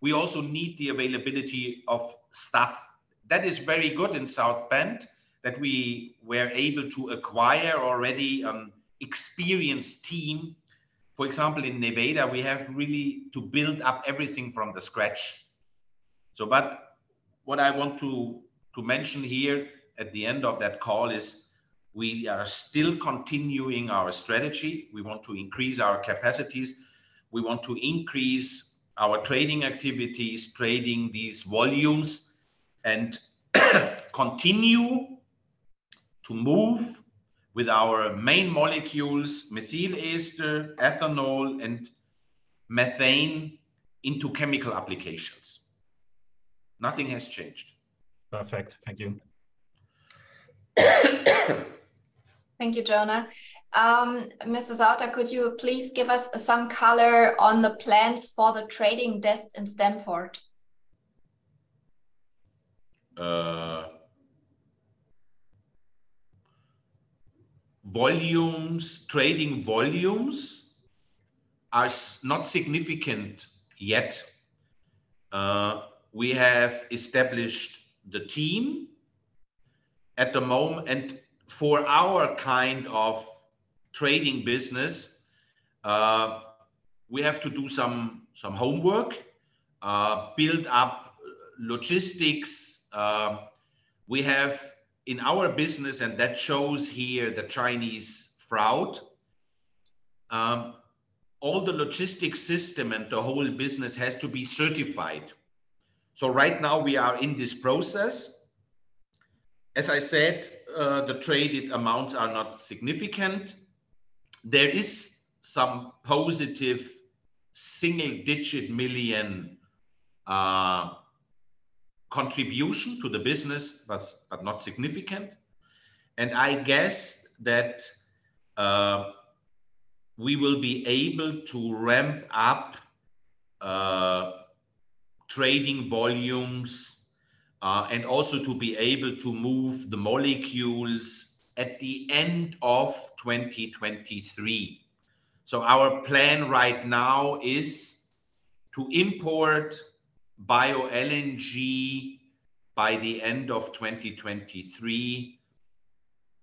we also need the availability of staff. That is very good in South Bend that we were able to acquire already experienced team. For example, in Nevada, we have really to build up everything from the scratch. What I want to mention here at the end of that call is we are still continuing our strategy. We want to increase our capacities. We want to increase our trading activities, trading these volumes, and continue to move with our main molecules, methyl ester, ethanol and methane into chemical applications. Nothing has changed. Perfect. Thank you. Thank you, Jonah. Mr. Sauter, could you please give us some color on the plans for the trading desk in Stamford? Volumes, trading volumes are not significant yet. We have established the team and for our kind of trading business, we have to do some homework, build up logistics. We have in our business, and that shows here the Chinese drought, all the logistics system and the whole business has to be certified. Right now we are in this process. As I said, the traded amounts are not significant. There is some positive single digit million contribution to the business, but not significant. I guess that we will be able to ramp up trading volumes and also to be able to move the molecules at the end of 2023. Our plan right now is to import BioLNG by the end of 2023,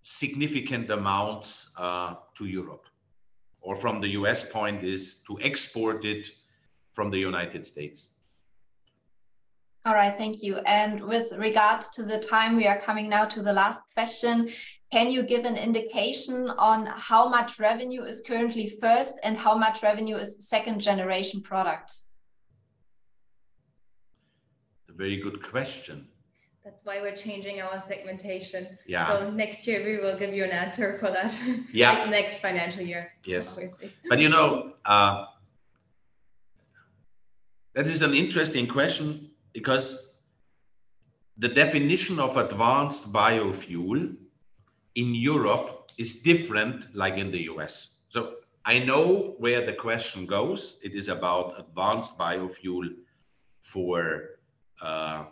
significant amounts to Europe, or from the U.S. point is to export it from the United States. All right. Thank you. With regards to the time, we are coming now to the last question. Can you give an indication on how much revenue is currently first and how much revenue is second generation products? A very good question. That's why we're changing our segmentation. Yeah. Next year we will give you an answer for that. Yeah. Like next financial year. Yes obviously. You know, that is an interesting question because the definition of advanced biofuel in Europe is different like in the U.S. I know where the question goes. It is about advanced biofuel for the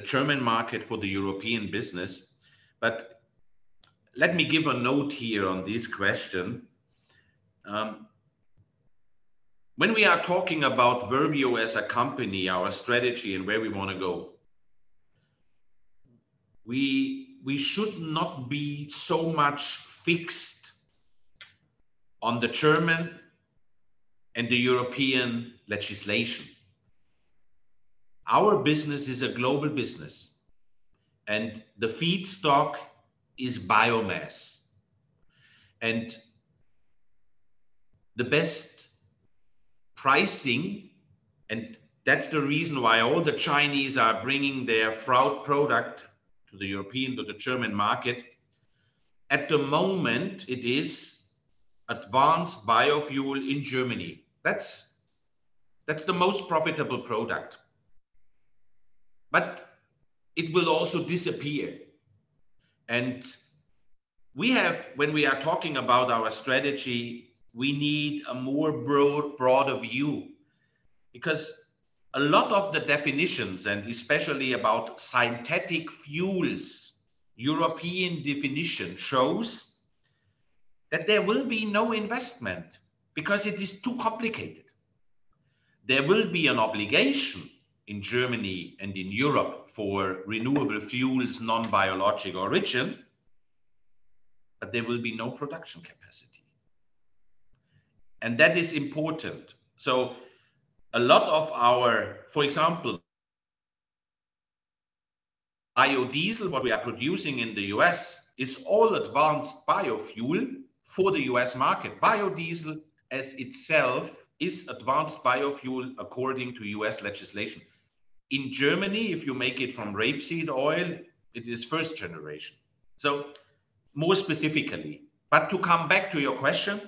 German market, for the European business. Let me give a note here on this question. When we are talking about Verbio as a company, our strategy and where we wanna go, we should not be so much fixed on the German and the European legislation. Our business is a global business and the feedstock is biomass. The best pricing, and that's the reason why all the Chinese are bringing their fraud product to the European, to the German market, at the moment it is advanced biofuel in Germany. That's the most profitable product. It will also disappear. When we are talking about our strategy, we need a more broad view, because a lot of the definitions, and especially about synthetic fuels, European definition shows that there will be no investment because it is too complicated. There will be an obligation in Germany and in Europe for renewable fuels, non-biologic origin, but there will be no production capacity. That is important. A lot of our... For example, IO diesel, what we are producing in the U.S., is all advanced biofuel for the U.S. market. Biodiesel as itself is advanced biofuel according to U.S. legislation. In Germany, if you make it from rapeseed oil, it is first generation. More specifically. To come back to your question,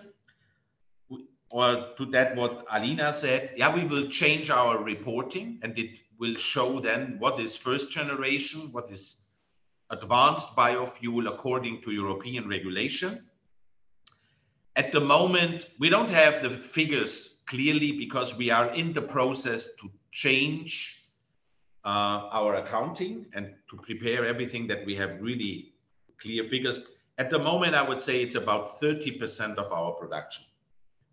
or to that what Alina said, yeah, we will change our reporting, and it will show then what is first generation, what is advanced biofuel according to European regulation. At the moment, we don't have the figures clearly because we are in the process to change our accounting and to prepare everything that we have really clear figures. At the moment, I would say it's about 30% of our production.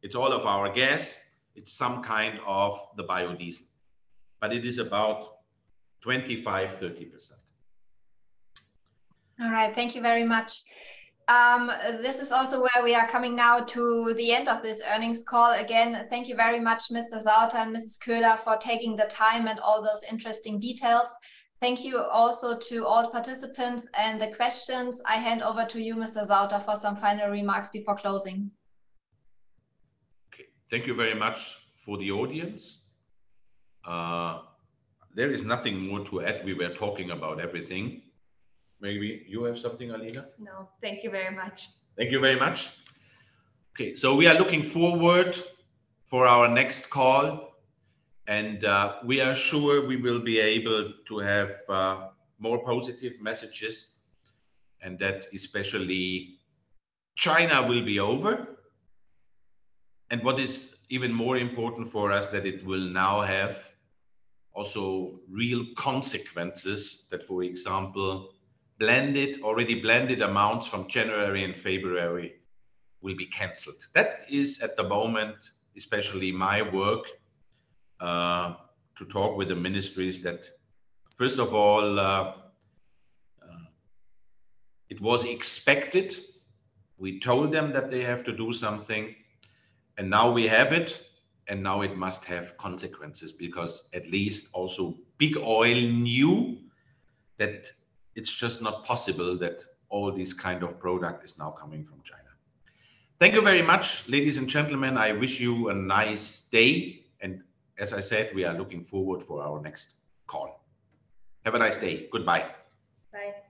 It's all of our gas. It's some kind of the biodiesel. It is about 25%, 30%. All right. Thank you very much. This is also where we are coming now to the end of this earnings call. Thank you very much, Henning Zeltner and Alina Köhler, for taking the time and all those interesting details. Thank you also to all participants and the questions. I hand over to you, Henning Zeltner, for some final remarks before closing. Okay. Thank you very much for the audience. There is nothing more to add. We were talking about everything. Maybe you have something, Alina? No. Thank you very much. Thank you very much. Okay. We are looking forward for our next call, and we are sure we will be able to have more positive messages, and that especially China will be over. What is even more important for us, that it will now have also real consequences that, for example, blended, already blended amounts from January and February will be canceled. That is at the moment, especially my work, to talk with the ministries that first of all, it was expected. We told them that they have to do something, and now we have it. Now it must have consequences because at least also big oil knew that it's just not possible that all this kind of product is now coming from China. Thank you very much, ladies and gentlemen. I wish you a nice day. As I said, we are looking forward for our next call. Have a nice day. Goodbye. Bye.